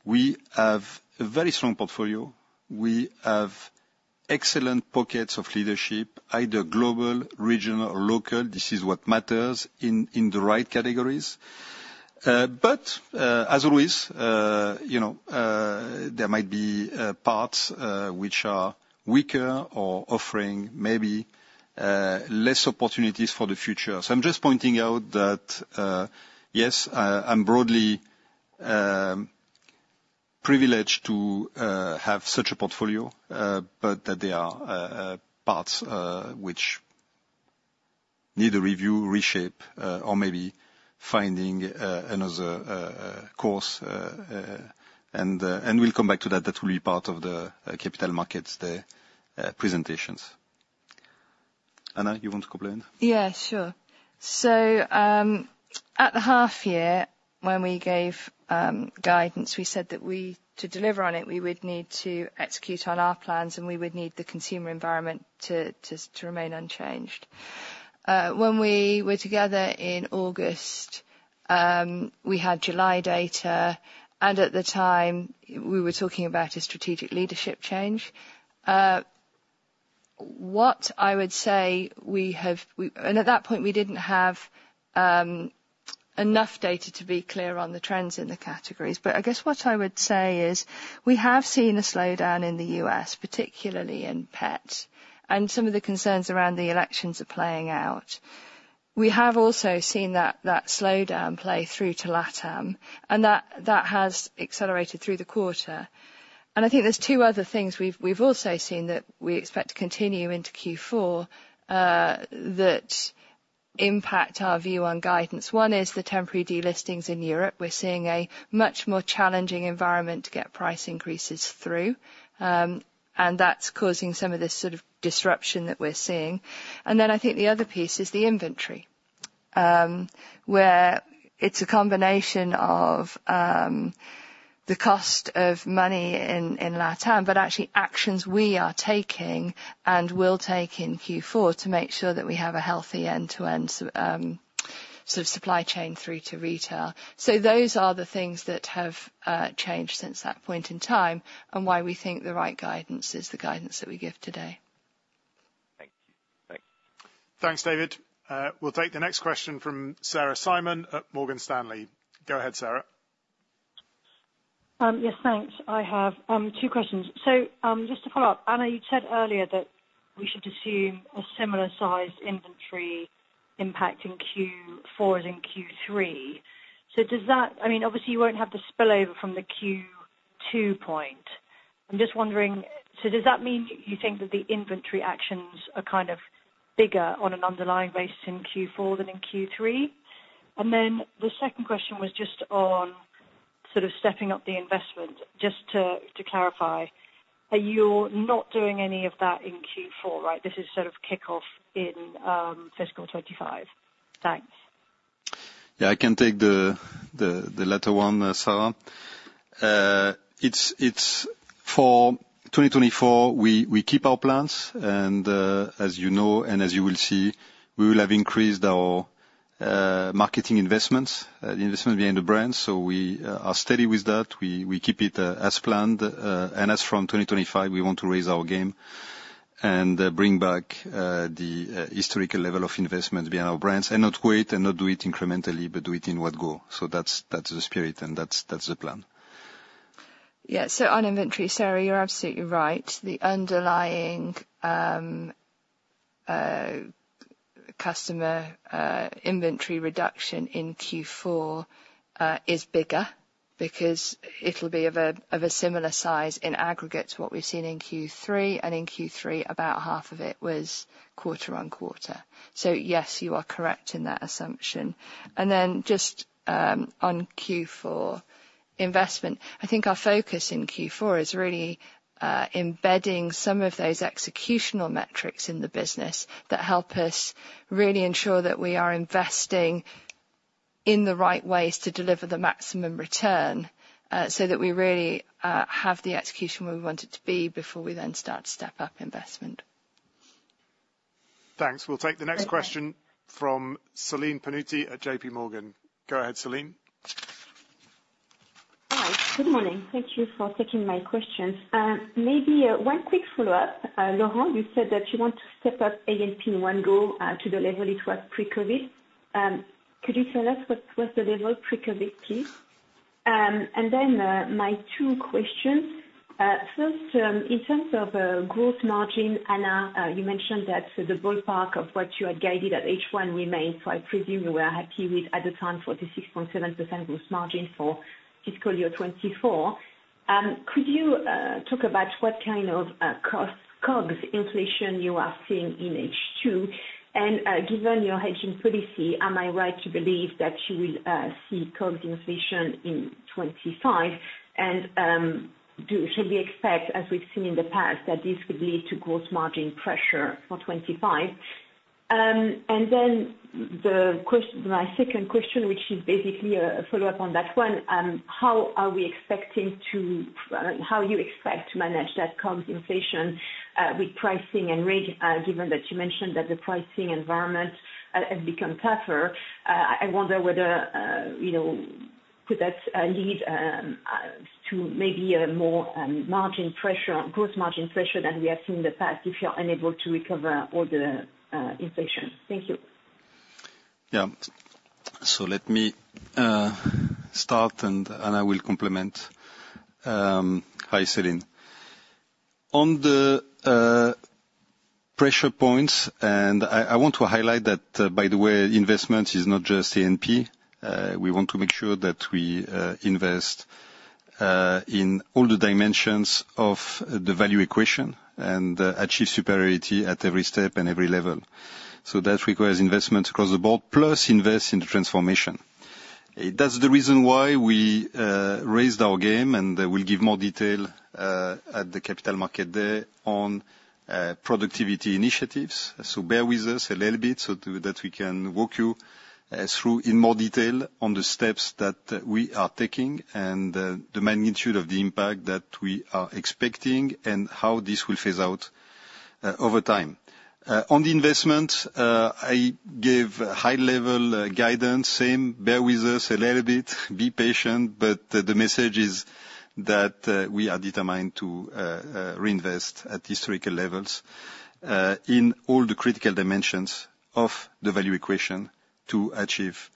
we have a very strong portfolio. We have excellent pockets of leadership, either global, regional, or local. This is what matters in the right categories. But as always, you know, there might be parts which are weaker or offering maybe less opportunities for the future. So I'm just pointing out that yes, I'm broadly privileged to have such a portfolio, but that there are parts which need a review, reshape, or maybe finding another course, and we'll come back to that. That will be part of the capital markets, the presentations. Anna, you want to come in? Yeah, sure. So, at the half year, when we gave guidance, we said that we, to deliver on it, we would need to execute on our plans, and we would need the consumer environment to remain unchanged. When we were together in August, we had July data, and at the time, we were talking about a strategic leadership change. At that point, we didn't have enough data to be clear on the trends in the categories. But I guess what I would say is, we have seen a slowdown in the US, particularly in pet, and some of the concerns around the elections are playing out. We have also seen that slowdown play through to LatAm, and that has accelerated through the quarter. And I think there's two other things we've also seen that we expect to continue into Q4, that impact our view on guidance. One is the temporary delistings in Europe. We're seeing a much more challenging environment to get price increases through, and that's causing some of this sort of disruption that we're seeing. And then I think the other piece is the inventory, where it's a combination of, the cost of money in LatAm, but actually actions we are taking and will take in Q4 to make sure that we have a healthy end-to-end, sort of supply chain through to retail. So those are the things that have changed since that point in time, and why we think the right guidance is the guidance that we give today. Thank you. Thanks. Thanks, David. We'll take the next question from Sarah Simon at Morgan Stanley. Go ahead, Sarah. Yes, thanks. I have two questions. So, just to follow up, Anna, you said earlier that we should assume a similar-sized inventory impact in Q4 as in Q3. So does that... I mean, obviously you won't have the spillover from the Q2 point. I'm just wondering, so does that mean you think that the inventory actions are kind of bigger on an underlying basis in Q4 than in Q3? And then the second question was just on sort of stepping up the investment. Just to clarify, are you not doing any of that in Q4, right? This is sort of kickoff in fiscal 2025. Thanks. Yeah, I can take the latter one, Sarah. It's for 2024. We keep our plans and, as you know, and as you will see, we will have increased our marketing investment behind the brands. So we are steady with that. We keep it as planned, and as from 2025, we want to raise our game and bring back the historical level of investment behind our brands, and not wait and not do it incrementally, but do it in one go, so that's the plan. Yeah. So on inventory, Sarah, you're absolutely right. The underlying customer inventory reduction in Q4 is bigger, because it'll be of a similar size in aggregate to what we've seen in Q3, and in Q3, about half of it was quarter on quarter. So yes, you are correct in that assumption. And then just on Q4 investment, I think our focus in Q4 is really embedding some of those executional metrics in the business that help us really ensure that we are investing in the right ways to deliver the maximum return, so that we really have the execution where we want it to be before we then start to step up investment. Thanks. We'll take the next question-from Celine Pannuti at J.P. Morgan. Go ahead, Celine. Hi. Good morning. Thank you for taking my questions. Maybe one quick follow-up. Laurent, you said that you want to step up A&P in one go to the level it was pre-COVID. Could you tell us what's the level pre-COVID, please? And then my two questions: first, in terms of gross margin, Anna, you mentioned that the ballpark of what you had guided at H1 remains, so I presume you were happy with, at the time, 46.7% gross margin for fiscal year 2024. Could you talk about what kind of COGS inflation you are seeing in H2? And given your hedging policy, am I right to believe that you will see COGS inflation in 2025? Should we expect, as we've seen in the past, that this could lead to gross margin pressure for 2025? Then my second question, which is basically a follow-up on that one, how you expect to manage that COGS inflation with pricing and rate? Given that you mentioned that the pricing environment has become tougher, I wonder whether, you know, could that lead to maybe a more margin pressure, gross margin pressure than we have seen in the past if you are unable to recover all the inflation? Thank you. Yeah. So let me start, and I will comment. Hi, Celine. On the pressure points, and I want to highlight that, by the way, investment is not just A&P. We want to make sure that we invest in all the dimensions of the value equation and achieve superiority at every step and every level. So that requires investment across the board, plus invest in the transformation. That's the reason why we raised our game, and I will give more detail at the Capital Markets Day on productivity initiatives. So bear with us a little bit so that we can walk you through in more detail on the steps that we are taking and the magnitude of the impact that we are expecting, and how this will phase out over time. On the investment, I gave high level guidance. Bear with us a little bit, be patient, but the message is that we are determined to reinvest at historical levels in all the critical dimensions of the value equation to achieve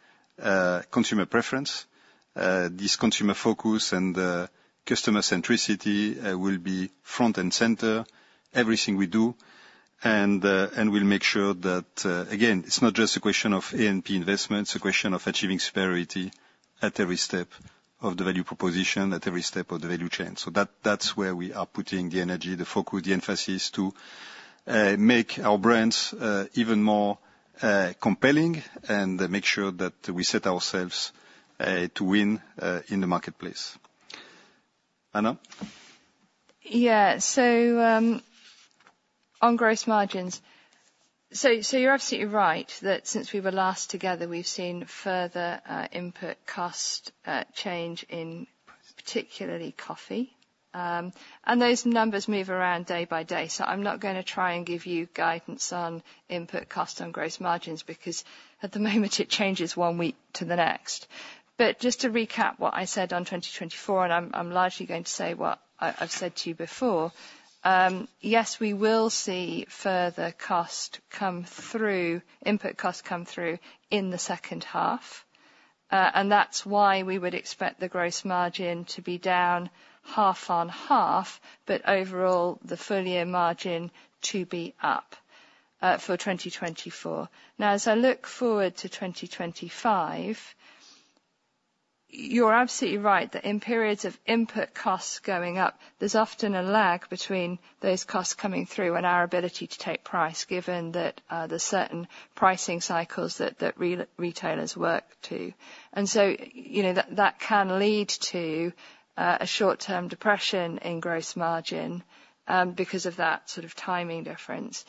consumer preference. This consumer focus and customer centricity will be front and center, everything we do. And we'll make sure that, again, it's not just a question of A&P investment, it's a question of achieving superiority at every step of the value proposition, at every step of the value chain. That's where we are putting the energy, the focus, the emphasis, to make our brands even more compelling and make sure that we set ourselves to win in the marketplace. Anna? Yeah, so on gross margins. So you're absolutely right, that since we were last together, we've seen further input cost change in particularly coffee. And those numbers move around day by day, so I'm not gonna try and give you guidance on input cost and gross margins, because at the moment it changes one week to the next. But just to recap what I said on 2024, and I'm largely going to say what I've said to you before, yes, we will see further cost come through, input costs come through in the second half. And that's why we would expect the gross margin to be down half on half, but overall, the full year margin to be up for 2024. Now, as I look forward to 2025, you're absolutely right, that in periods of input costs going up, there's often a lag between those costs coming through and our ability to take price, given that, there's certain pricing cycles that retailers work to. And so, you know, that can lead to a short-term depression in gross margin, because of that sort of timing difference.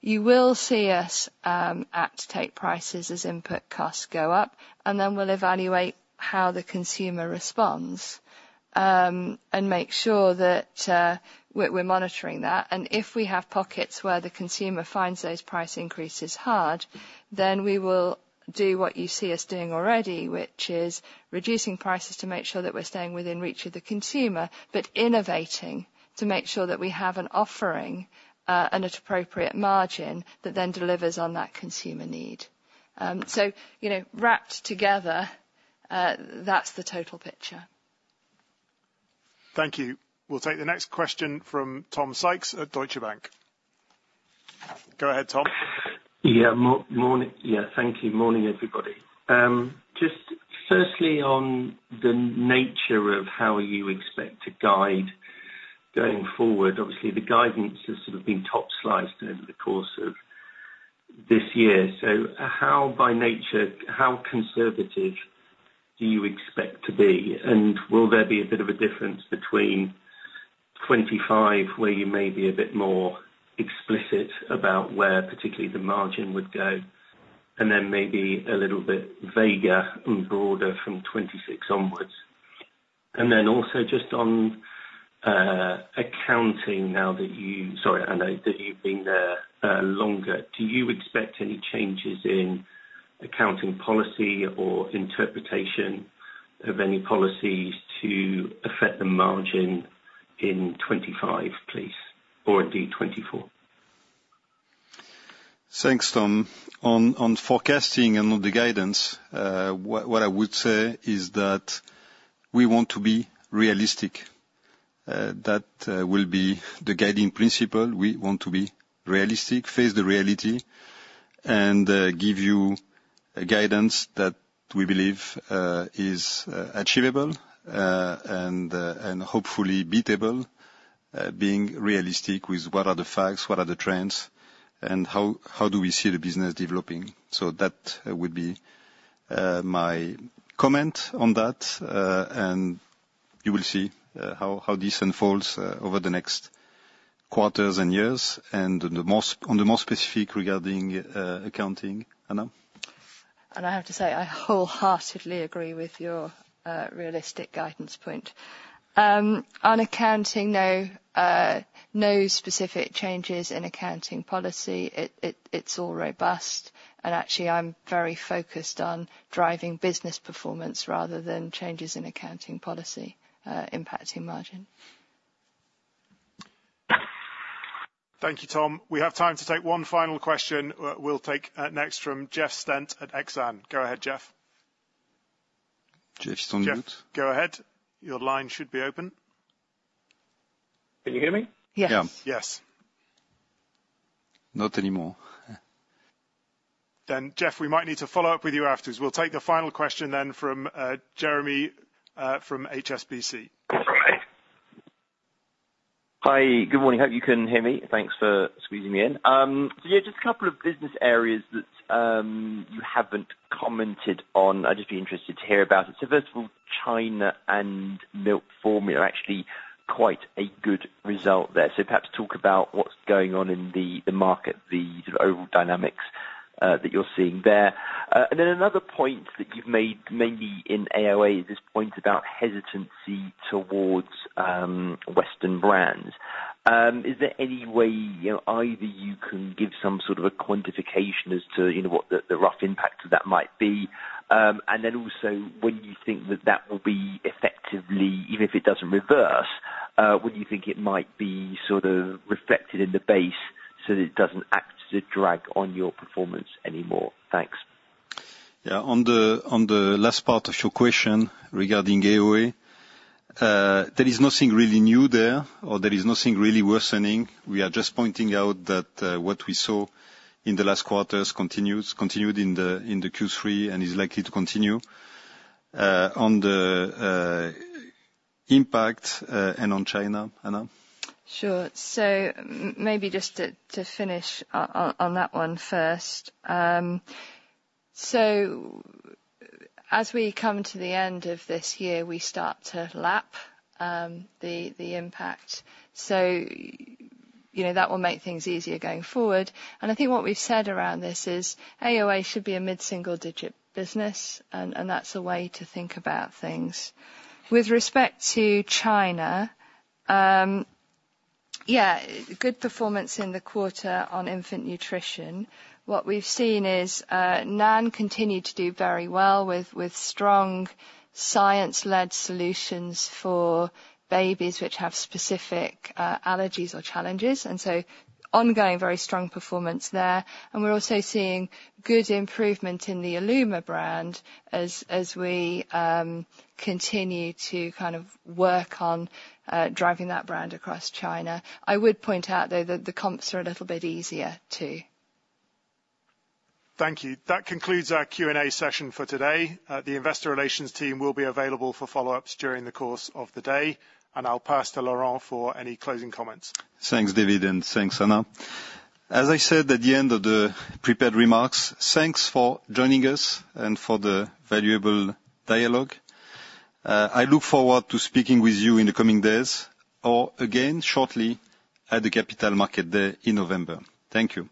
You will see us act to take prices as input costs go up, and then we'll evaluate how the consumer responds. And make sure that we're monitoring that, and if we have pockets where the consumer finds those price increases hard, then we will do what you see us doing already, which is reducing prices to make sure that we're staying within reach of the consumer, but innovating to make sure that we have an offering, and at appropriate margin, that then delivers on that consumer need. So, you know, wrapped together, that's the total picture. Thank you. We'll take the next question from Tom Sykes at Deutsche Bank. Go ahead, Tom. Morning. Thank you. Morning, everybody. Just firstly, on the nature of how you expect to guide going forward, obviously, the guidance has sort of been top sliced over the course of this year. So how, by nature, how conservative do you expect to be? And will there be a bit of a difference between 2025, where you may be a bit more explicit about where particularly the margin would go, and then maybe a little bit vaguer and broader from 2026 onwards? And then also just on accounting now that you... Sorry, Anna, that you've been there longer, do you expect any changes in accounting policy or interpretation of any policies to affect the margin in 2025, please, or indeed 2024? Thanks, Tom. On forecasting and on the guidance, what I would say is that we want to be realistic. That will be the guiding principle. We want to be realistic, face the reality, and give you a guidance that we believe is achievable, and hopefully beatable. Being realistic with what are the facts, what are the trends, and how do we see the business developing? That would be my comment on that. You will see how this unfolds over the next quarters and years, and on the more specific regarding accounting, Anna? I have to say, I wholeheartedly agree with your realistic guidance point. On accounting, though, no specific changes in accounting policy. It's all robust, and actually, I'm very focused on driving business performance rather than changes in accounting policy impacting margin. Thank you, Tom. We have time to take one final question. We'll take next from Jeff Stent at Exane. Go ahead, Jeff. Jeff, go ahead. Your line should be open. Can you hear me? Yes. Yeah. Yes. Not anymore. Then, Jeff, we might need to follow up with you afterwards. We'll take the final question then from Jeremy from HSBC. All right. Hi, good morning. Hope you can hear me. Thanks for squeezing me in. Yeah, just a couple of business areas that you haven't commented on. I'd just be interested to hear about it. So first of all, China and milk formula, actually quite a good result there. So perhaps talk about what's going on in the market, the sort of overall dynamics that you're seeing there. And then another point that you've made, mainly in AOA, is this point about hesitancy towards Western brands. Is there any way, you know, either you can give some sort of a quantification as to, you know, what the rough impact of that might be? And then also, when you think that that will be effectively, even if it doesn't reverse, when you think it might be sort of reflected in the base so that it doesn't act as a drag on your performance anymore? Thanks. Yeah, on the last part of your question regarding AOA, there is nothing really new there or there is nothing really worsening. We are just pointing out that what we saw in the last quarters continued in the Q3 and is likely to continue. On the impact and on China, Anna? Sure. So maybe just to finish on that one first. As we come to the end of this year, we start to lap the impact. So you know, that will make things easier going forward. And I think what we've said around this is, AOA should be a mid-single digit business, and that's the way to think about things. With respect to China, yeah, good performance in the quarter on infant nutrition. What we've seen is, NAN continued to do very well with strong science-led solutions for babies which have specific allergies or challenges, and so ongoing, very strong performance there. And we're also seeing good improvement in the Illuma brand as we continue to kind of work on driving that brand across China. I would point out, though, that the comps are a little bit easier, too. Thank you. That concludes our Q&A session for today. The investor relations team will be available for follow-ups during the course of the day, and I'll pass to Laurent for any closing comments. Thanks, David, and thanks, Anna. As I said at the end of the prepared remarks, thanks for joining us and for the valuable dialogue. I look forward to speaking with you in the coming days, or again, shortly at the Capital Markets Day in November. Thank you.